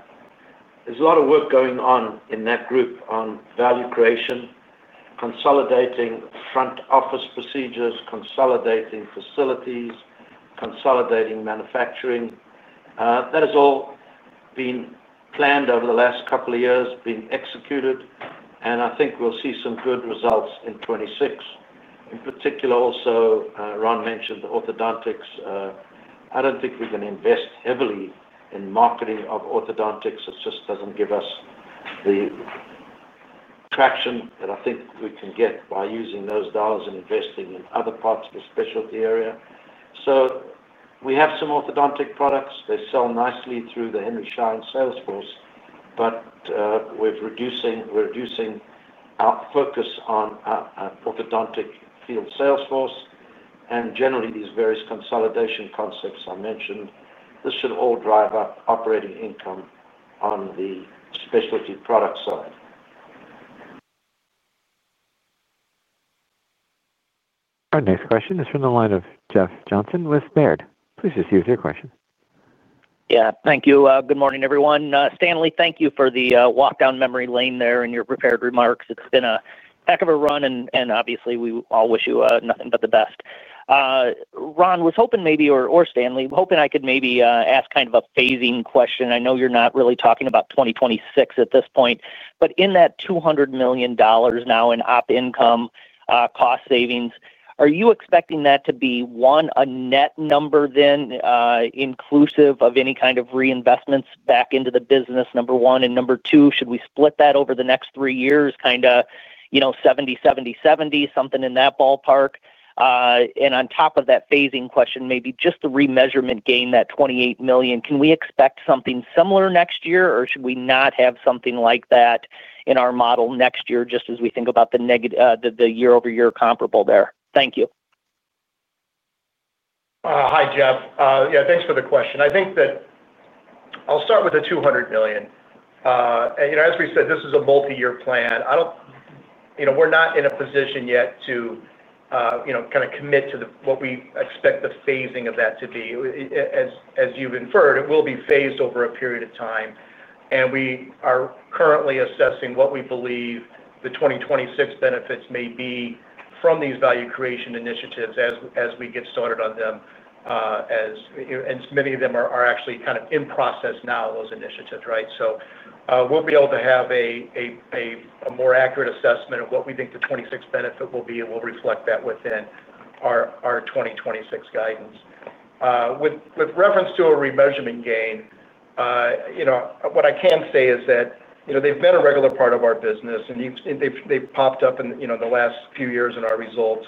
Speaker 3: There's a lot of work going on in that group on value creation, consolidating front office procedures, consolidating facilities, consolidating manufacturing. That has all been planned over the last couple of years, been executed. I think we'll see some good results in 2026. In particular, also, Ron mentioned the orthodontics. I don't think we can invest heavily in marketing of orthodontics. It just doesn't give us the traction that I think we can get by using those dollars and investing in other parts of the specialty area. We have some orthodontic products. They sell nicely through the Henry Schein Salesforce. We're reducing our focus on orthodontic field salesforce. Generally, these various consolidation concepts I mentioned, this should all drive up operating income on the specialty product side.
Speaker 1: Our next question is from the line of Jeff Johnson with Baird. Please proceed with your question.
Speaker 10: Yeah. Thank you. Good morning, everyone. Stanley, thank you for the walk down memory lane there in your prepared remarks. It's been a heck of a run. And obviously, we all wish you nothing but the best. Ron, was hoping maybe, or Stanley, hoping I could maybe ask kind of a phasing question. I know you're not really talking about 2026 at this point. But in that $200 million now in op income cost savings, are you expecting that to be one, a net number then. Inclusive of any kind of reinvestments back into the business, number one? And number two, should we split that over the next three years, kind of. 70, 70, 70, something in that ballpark? And on top of that phasing question, maybe just the remeasurement gain, that $28 million, can we expect something similar next year, or should we not have something like that in our model next year just as we think about the. Year-over-year comparable there? Thank you.
Speaker 4: Hi, Jeff. Yeah, thanks for the question. I think that. I'll start with the $200 million. As we said, this is a multi-year plan. We're not in a position yet to. Kind of commit to what we expect the phasing of that to be. As you've inferred, it will be phased over a period of time. We are currently assessing what we believe the 2026 benefits may be from these value creation initiatives as we get started on them. Many of them are actually kind of in process now, those initiatives, right? We will be able to have a more accurate assessment of what we think the 2026 benefit will be, and we'll reflect that within our 2026 guidance. With reference to a remeasurement gain. What I can say is that they've been a regular part of our business, and they've popped up in the last few years in our results.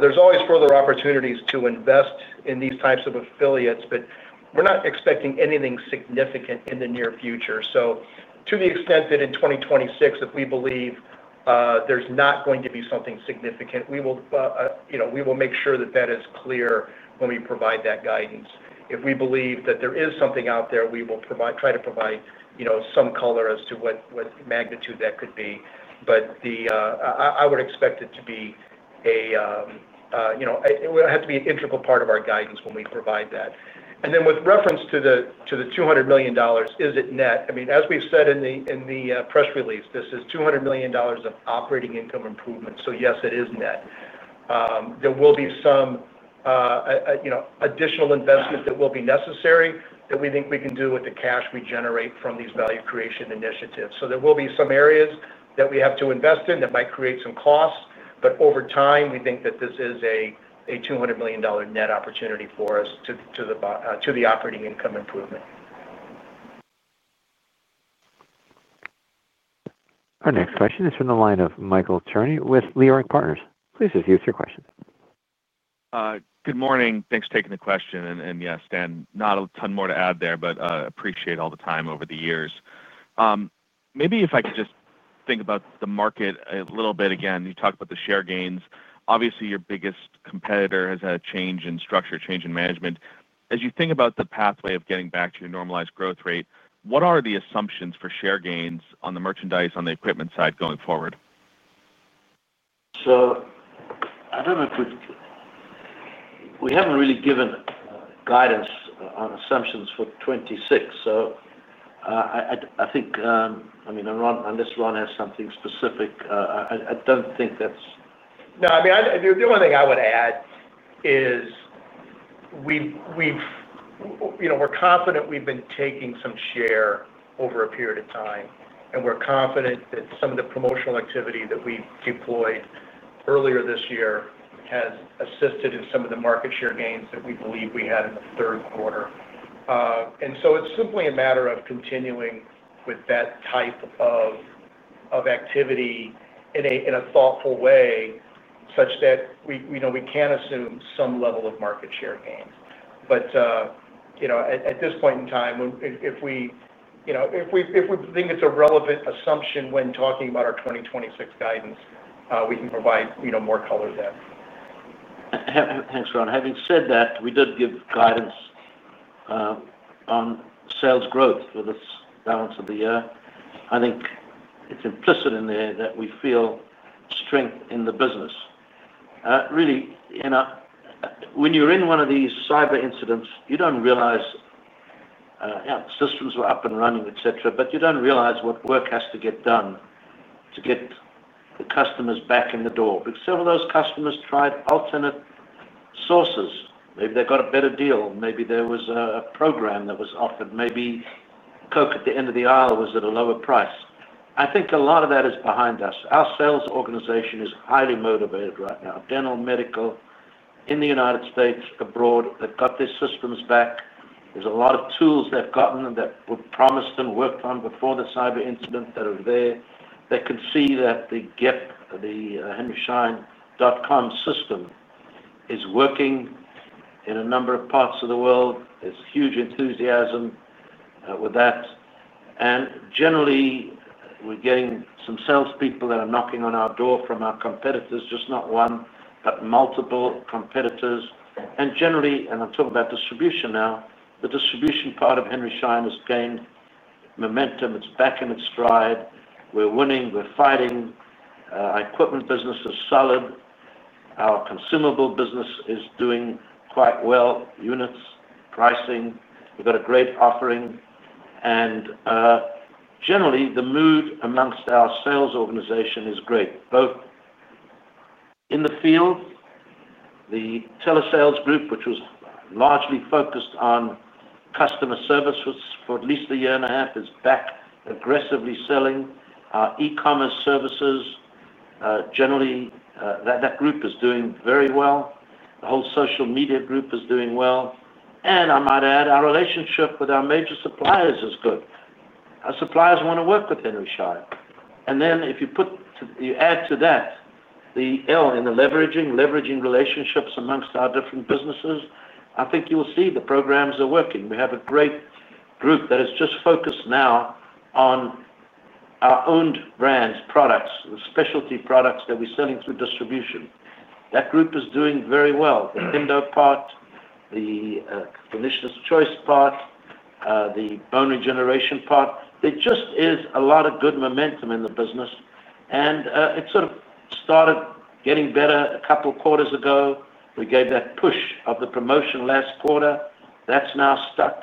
Speaker 4: There's always further opportunities to invest in these types of affiliates, but we're not expecting anything significant in the near future. To the extent that in 2026, if we believe there's not going to be something significant, we will make sure that that is clear when we provide that guidance. If we believe that there is something out there, we will try to provide some color as to what magnitude that could be. I would expect it to be a. It would have to be an integral part of our guidance when we provide that. Then with reference to the $200 million, is it net? I mean, as we've said in the press release, this is $200 million of operating income improvement. Yes, it is net. There will be some additional investment that will be necessary that we think we can do with the cash we generate from these value creation initiatives. There will be some areas that we have to invest in that might create some costs. Over time, we think that this is a $200 million net opportunity for us to the operating income improvement.
Speaker 1: Our next question is from the line of Michael Turney with Leerink Partners. Please proceed with your question.
Speaker 11: Good morning. Thanks for taking the question. Yeah, Stan, not a ton more to add there, but appreciate all the time over the years. Maybe if I could just think about the market a little bit again. You talked about the share gains. Obviously, your biggest competitor has had a change in structure, change in management. As you think about the pathway of getting back to your normalized growth rate, what are the assumptions for share gains on the merchandise on the equipment side going forward?
Speaker 3: We haven't really given guidance on assumptions for 2026. I think, unless Ron has something specific. I don't think that's—
Speaker 4: No, I mean, the only thing I would add is we're confident we've been taking some share over a period of time. We're confident that some of the promotional activity that we deployed earlier this year has assisted in some of the market share gains that we believe we had in the third quarter. It is simply a matter of continuing with that type of activity in a thoughtful way such that we can assume some level of market share gain. At this point in time, if we think it's a relevant assumption when talking about our 2026 guidance, we can provide more color there.
Speaker 3: Thanks, Ron. Having said that, we did give guidance on sales growth for this balance of the year. I think it's implicit in there that we feel strength in the business. Really, when you're in one of these cyber incidents, you don't realize—yeah, systems were up and running, etc., but you don't realize what work has to get done to get the customers back in the door. Some of those customers tried alternate sources. Maybe they got a better deal. Maybe there was a program that was offered. Maybe Coke at the end of the aisle was at a lower price. I think a lot of that is behind us. Our sales organization is highly motivated right now. Dental medical in the United States, abroad, they've got their systems back. There's a lot of tools they've gotten that were promised and worked on before the cyber incident that are there. They can see that the GEP, the henryschein.com system, is working in a number of parts of the world. There's huge enthusiasm with that. Generally, we're getting some salespeople that are knocking on our door from our competitors, not just one, but multiple competitors. Generally, and I'm talking about distribution now, the distribution part of Henry Schein has gained momentum. It's back in its stride. We're winning. We're fighting. Our equipment business is solid. Our consumable business is doing quite well. Units, pricing. We've got a great offering. Generally, the mood amongst our sales organization is great. Both in the field. The telesales group, which was largely focused on customer service for at least a year and a half, is back aggressively selling our e-commerce services. Generally, that group is doing very well. The whole social media group is doing well. I might add, our relationship with our major suppliers is good. Our suppliers want to work with Henry Schein. If you add to that the L in the leveraging, leveraging relationships amongst our different businesses, I think you will see the programs are working. We have a great group that is just focused now on our owned brands, products, the specialty products that we're selling through distribution. That group is doing very well. The window part, the conditioner's choice part, the bone regeneration part. There just is a lot of good momentum in the business. It sort of started getting better a couple of quarters ago. We gave that push of the promotion last quarter. That's now stuck.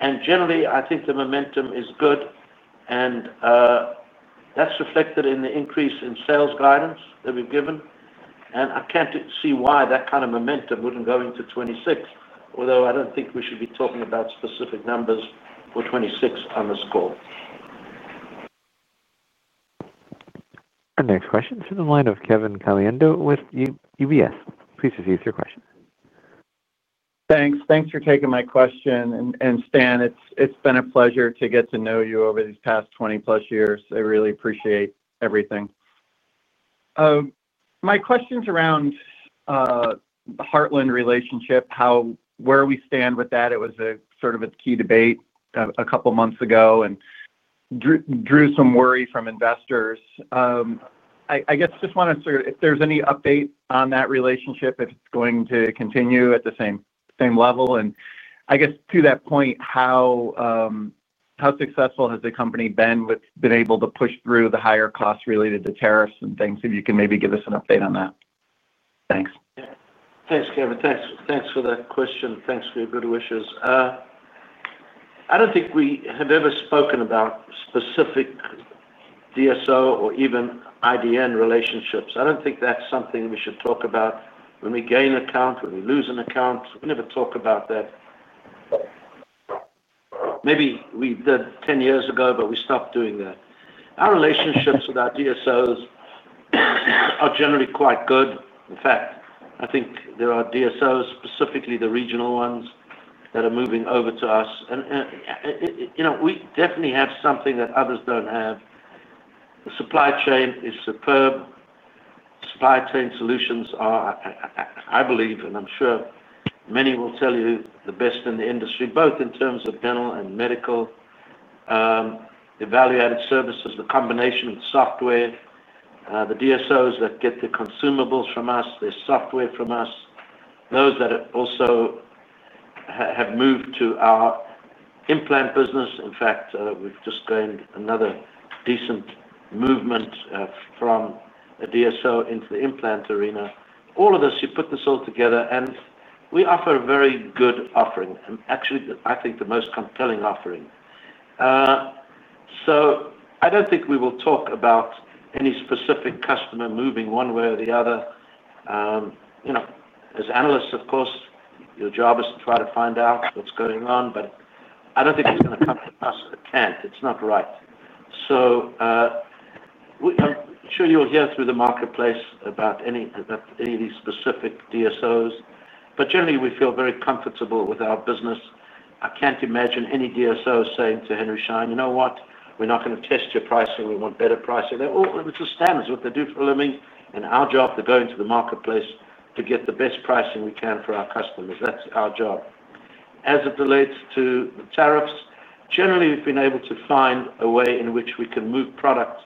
Speaker 3: Generally, I think the momentum is good. That's reflected in the increase in sales guidance that we've given. I can't see why that kind of momentum wouldn't go into 2026, although I don't think we should be talking about specific numbers for 2026 on the score.
Speaker 1: Our next question is from the line of Kevin Caliendo with UBS. Please proceed with your question.
Speaker 12: Thanks. Thanks for taking my question. Stan, it's been a pleasure to get to know you over these past 20-plus years. I really appreciate everything. My question's around the Heartland relationship, where we stand with that. It was sort of a key debate a couple of months ago and drew some worry from investors. I guess just want to sort of, if there's any update on that relationship, if it's going to continue at the same level. To that point, how successful has the company been with being able to push through the higher costs related to tariffs and things? If you can maybe give us an update on that. Thanks.
Speaker 3: Thanks, Kevin. Thanks for that question. Thanks for your good wishes. I don't think we have ever spoken about specific DSO or even IDN relationships. I don't think that's something we should talk about. When we gain account, when we lose an account, we never talk about that. Maybe we did 10 years ago, but we stopped doing that. Our relationships with our DSOs are generally quite good. In fact, I think there are DSOs, specifically the regional ones, that are moving over to us. We definitely have something that others don't have. The supply chain is superb. Supply chain solutions are, I believe, and I'm sure many will tell you, the best in the industry, both in terms of dental and medical. Evaluated services, the combination of the software, the DSOs that get the consumables from us, their software from us, those that also have moved to our implant business. In fact, we've just gained another decent movement from a DSO into the implant arena. All of this, you put this all together, and we offer a very good offering. Actually, I think the most compelling offering. I don't think we will talk about any specific customer moving one way or the other. As analysts, of course, your job is to try to find out what's going on. I don't think it's going to come to us at a can. It's not right. I'm sure you'll hear through the marketplace about any of these specific DSOs. Generally, we feel very comfortable with our business. I can't imagine any DSO saying to Henry Schein, "You know what? We're not going to test your pricing. We want better pricing." They're all just standards. What they do for a living. Our job, they're going to the marketplace to get the best pricing we can for our customers. That's our job. As it relates to the tariffs, generally, we've been able to find a way in which we can move product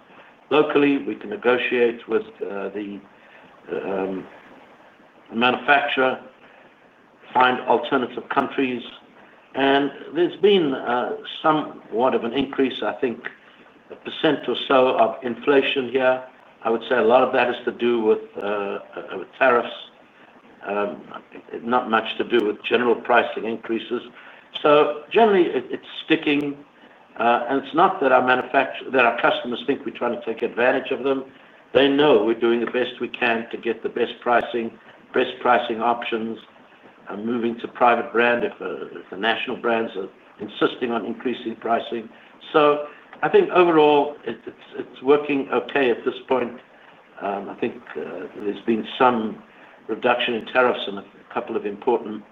Speaker 3: locally. We can negotiate with the manufacturer, find alternative countries. There's been somewhat of an increase, I think, a percent or so of inflation here. I would say a lot of that is to do with tariffs, not much to do with general pricing increases. Generally, it's sticking. It's not that our customers think we're trying to take advantage of them. They know we're doing the best we can to get the best pricing, best pricing options, moving to private brand if the national brands are insisting on increasing pricing. I think overall, it's working okay at this point. I think there's been some reduction in tariffs in a couple of important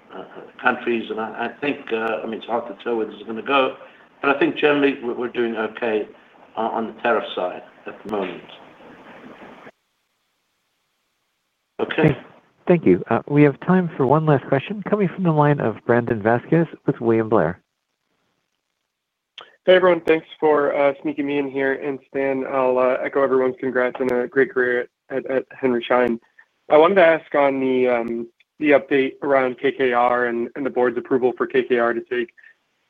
Speaker 3: countries. I think, I mean, it's hard to tell where this is going to go. I think generally, we're doing okay on the tariff side at the moment.
Speaker 1: Okay. Thank you. We have time for one last question coming from the line of Brandon Vazquez with William Blair.
Speaker 13: Hey, everyone. Thanks for sneaking me in here. Stan, I'll echo everyone's congrats on a great career at Henry Schein. I wanted to ask on the update around KKR and the board's approval for KKR to take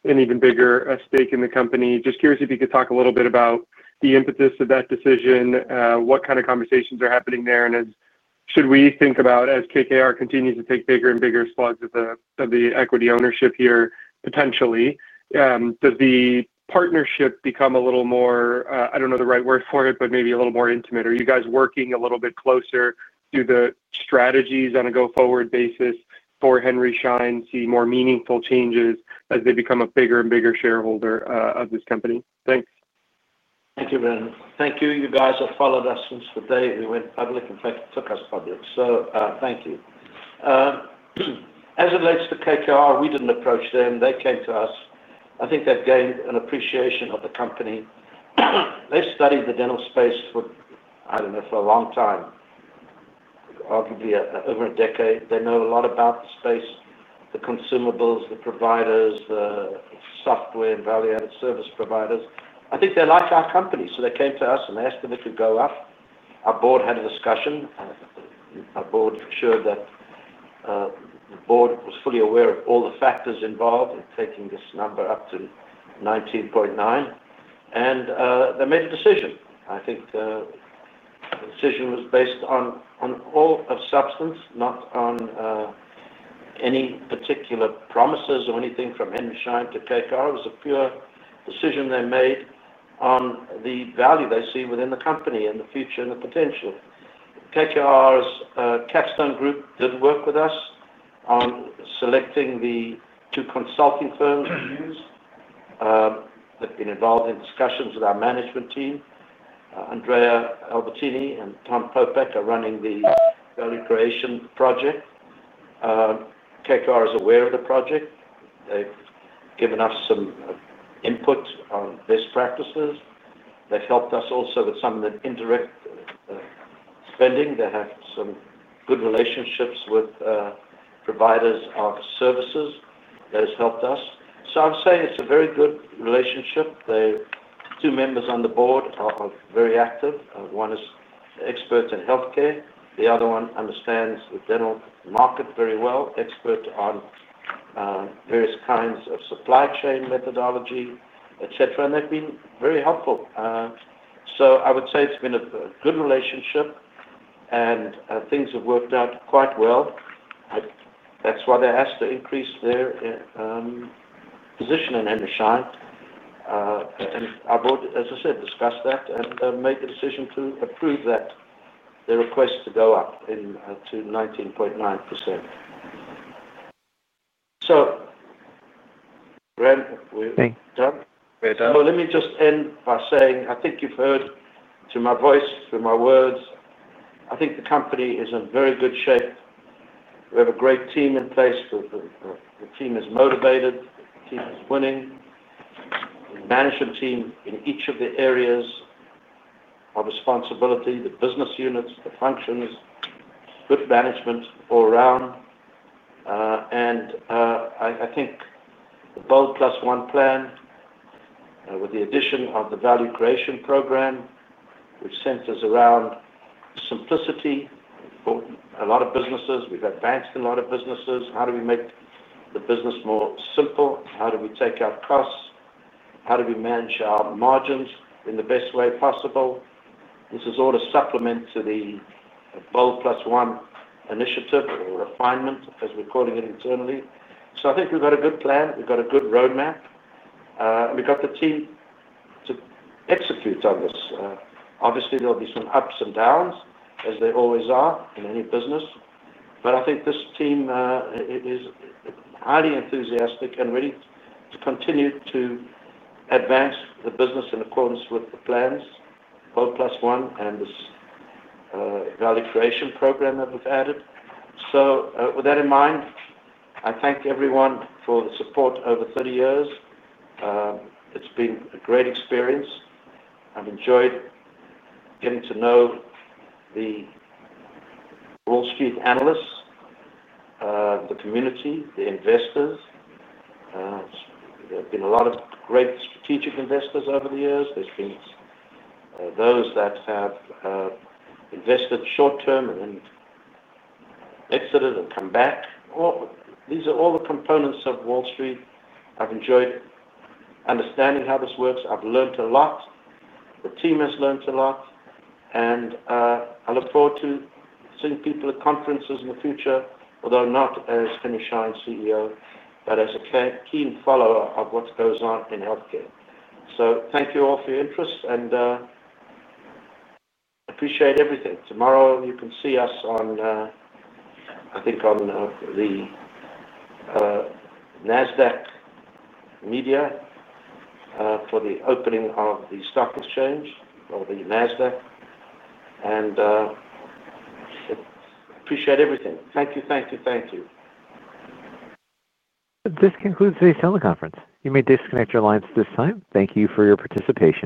Speaker 13: an even bigger stake in the company. Just curious if you could talk a little bit about the impetus of that decision, what kind of conversations are happening there, and should we think about, as KKR continues to take bigger and bigger slugs of the equity ownership here, potentially, does the partnership become a little more—I do not know the right word for it, but maybe a little more intimate? Are you guys working a little bit closer to the strategies on a go-forward basis for Henry Schein to see more meaningful changes as they become a bigger and bigger shareholder of this company? Thanks.
Speaker 3: Thank you, Brandon. Thank you. You guys have followed us since the day we went public. In fact, it took us public. So thank you. As it relates to KKR, we did not approach them. They came to us. I think they have gained an appreciation of the company. They have studied the dental space for, I do not know, for a long time, arguably over a decade. They know a lot about the space, the consumables, the providers, the software, and value-added service providers. I think they like our company. So they came to us and they asked if we could go up. Our board had a discussion. Our board ensured that. The board was fully aware of all the factors involved in taking this number up to 19.9%. And they made a decision. I think. The decision was based on all of substance, not on. Any particular promises or anything from Henry Schein to KKR. It was a pure decision they made on the value they see within the company and the future and the potential. KKR's Capstone Group did work with us. On selecting the two consulting firms we use. They have been involved in discussions with our management team. Andrea Albertini and Tom Popeck are running the value creation project. KKR is aware of the project. They have given us some input on best practices. They have helped us also with some of the indirect. Spending. They have some good relationships with. Providers of services. That has helped us. I am saying it is a very good relationship. Two members on the board are very active. One is an expert in healthcare. The other one understands the dental market very well, expert on. Various kinds of supply chain methodology, etc. And they have been very helpful. I would say it has been a good relationship. Things have worked out quite well. That is why they asked to increase their. Position in Henry Schein. Our board, as I said, discussed that and made the decision to approve that. Their request to go up to 19.9%. Brandon, are we done? We are done. Let me just end by saying, I think you have heard through my voice, through my words, I think the company is in very good shape. We have a great team in place. The team is motivated. The team is winning. The management team in each of the areas. Of responsibility, the business units, the functions, good management all around. I think the BOLD+1 plan, with the addition of the value creation program, which centers around simplicity for a lot of businesses. We've advanced in a lot of businesses. How do we make the business more simple? How do we take our costs? How do we manage our margins in the best way possible? This is all a supplement to the BOLD+1 initiative or refinement, as we're calling it internally. I think we've got a good plan. We've got a good roadmap. We've got the team to execute on this. Obviously, there'll be some ups and downs, as there always are in any business. I think this team is highly enthusiastic and ready to continue to advance the business in accordance with the plans, BOLD+1 and this value creation program that we've added. With that in mind, I thank everyone for the support over 30 years. It's been a great experience. I've enjoyed getting to know the Wall Street analysts, the community, the investors. There have been a lot of great strategic investors over the years. There's been those that have invested short-term and then exited and come back. These are all the components of Wall Street. I've enjoyed understanding how this works. I've learned a lot. The team has learned a lot. I look forward to seeing people at conferences in the future, although not as Henry Schein's CEO, but as a keen follower of what goes on in healthcare. Thank you all for your interest and appreciate everything. Tomorrow, you can see us, I think, on the NASDAQ media for the opening of the stock exchange or the NASDAQ. Appreciate everything. Thank you. Thank you. Thank you.
Speaker 1: This concludes today's teleconference. You may disconnect your lines at this time. Thank you for your participation.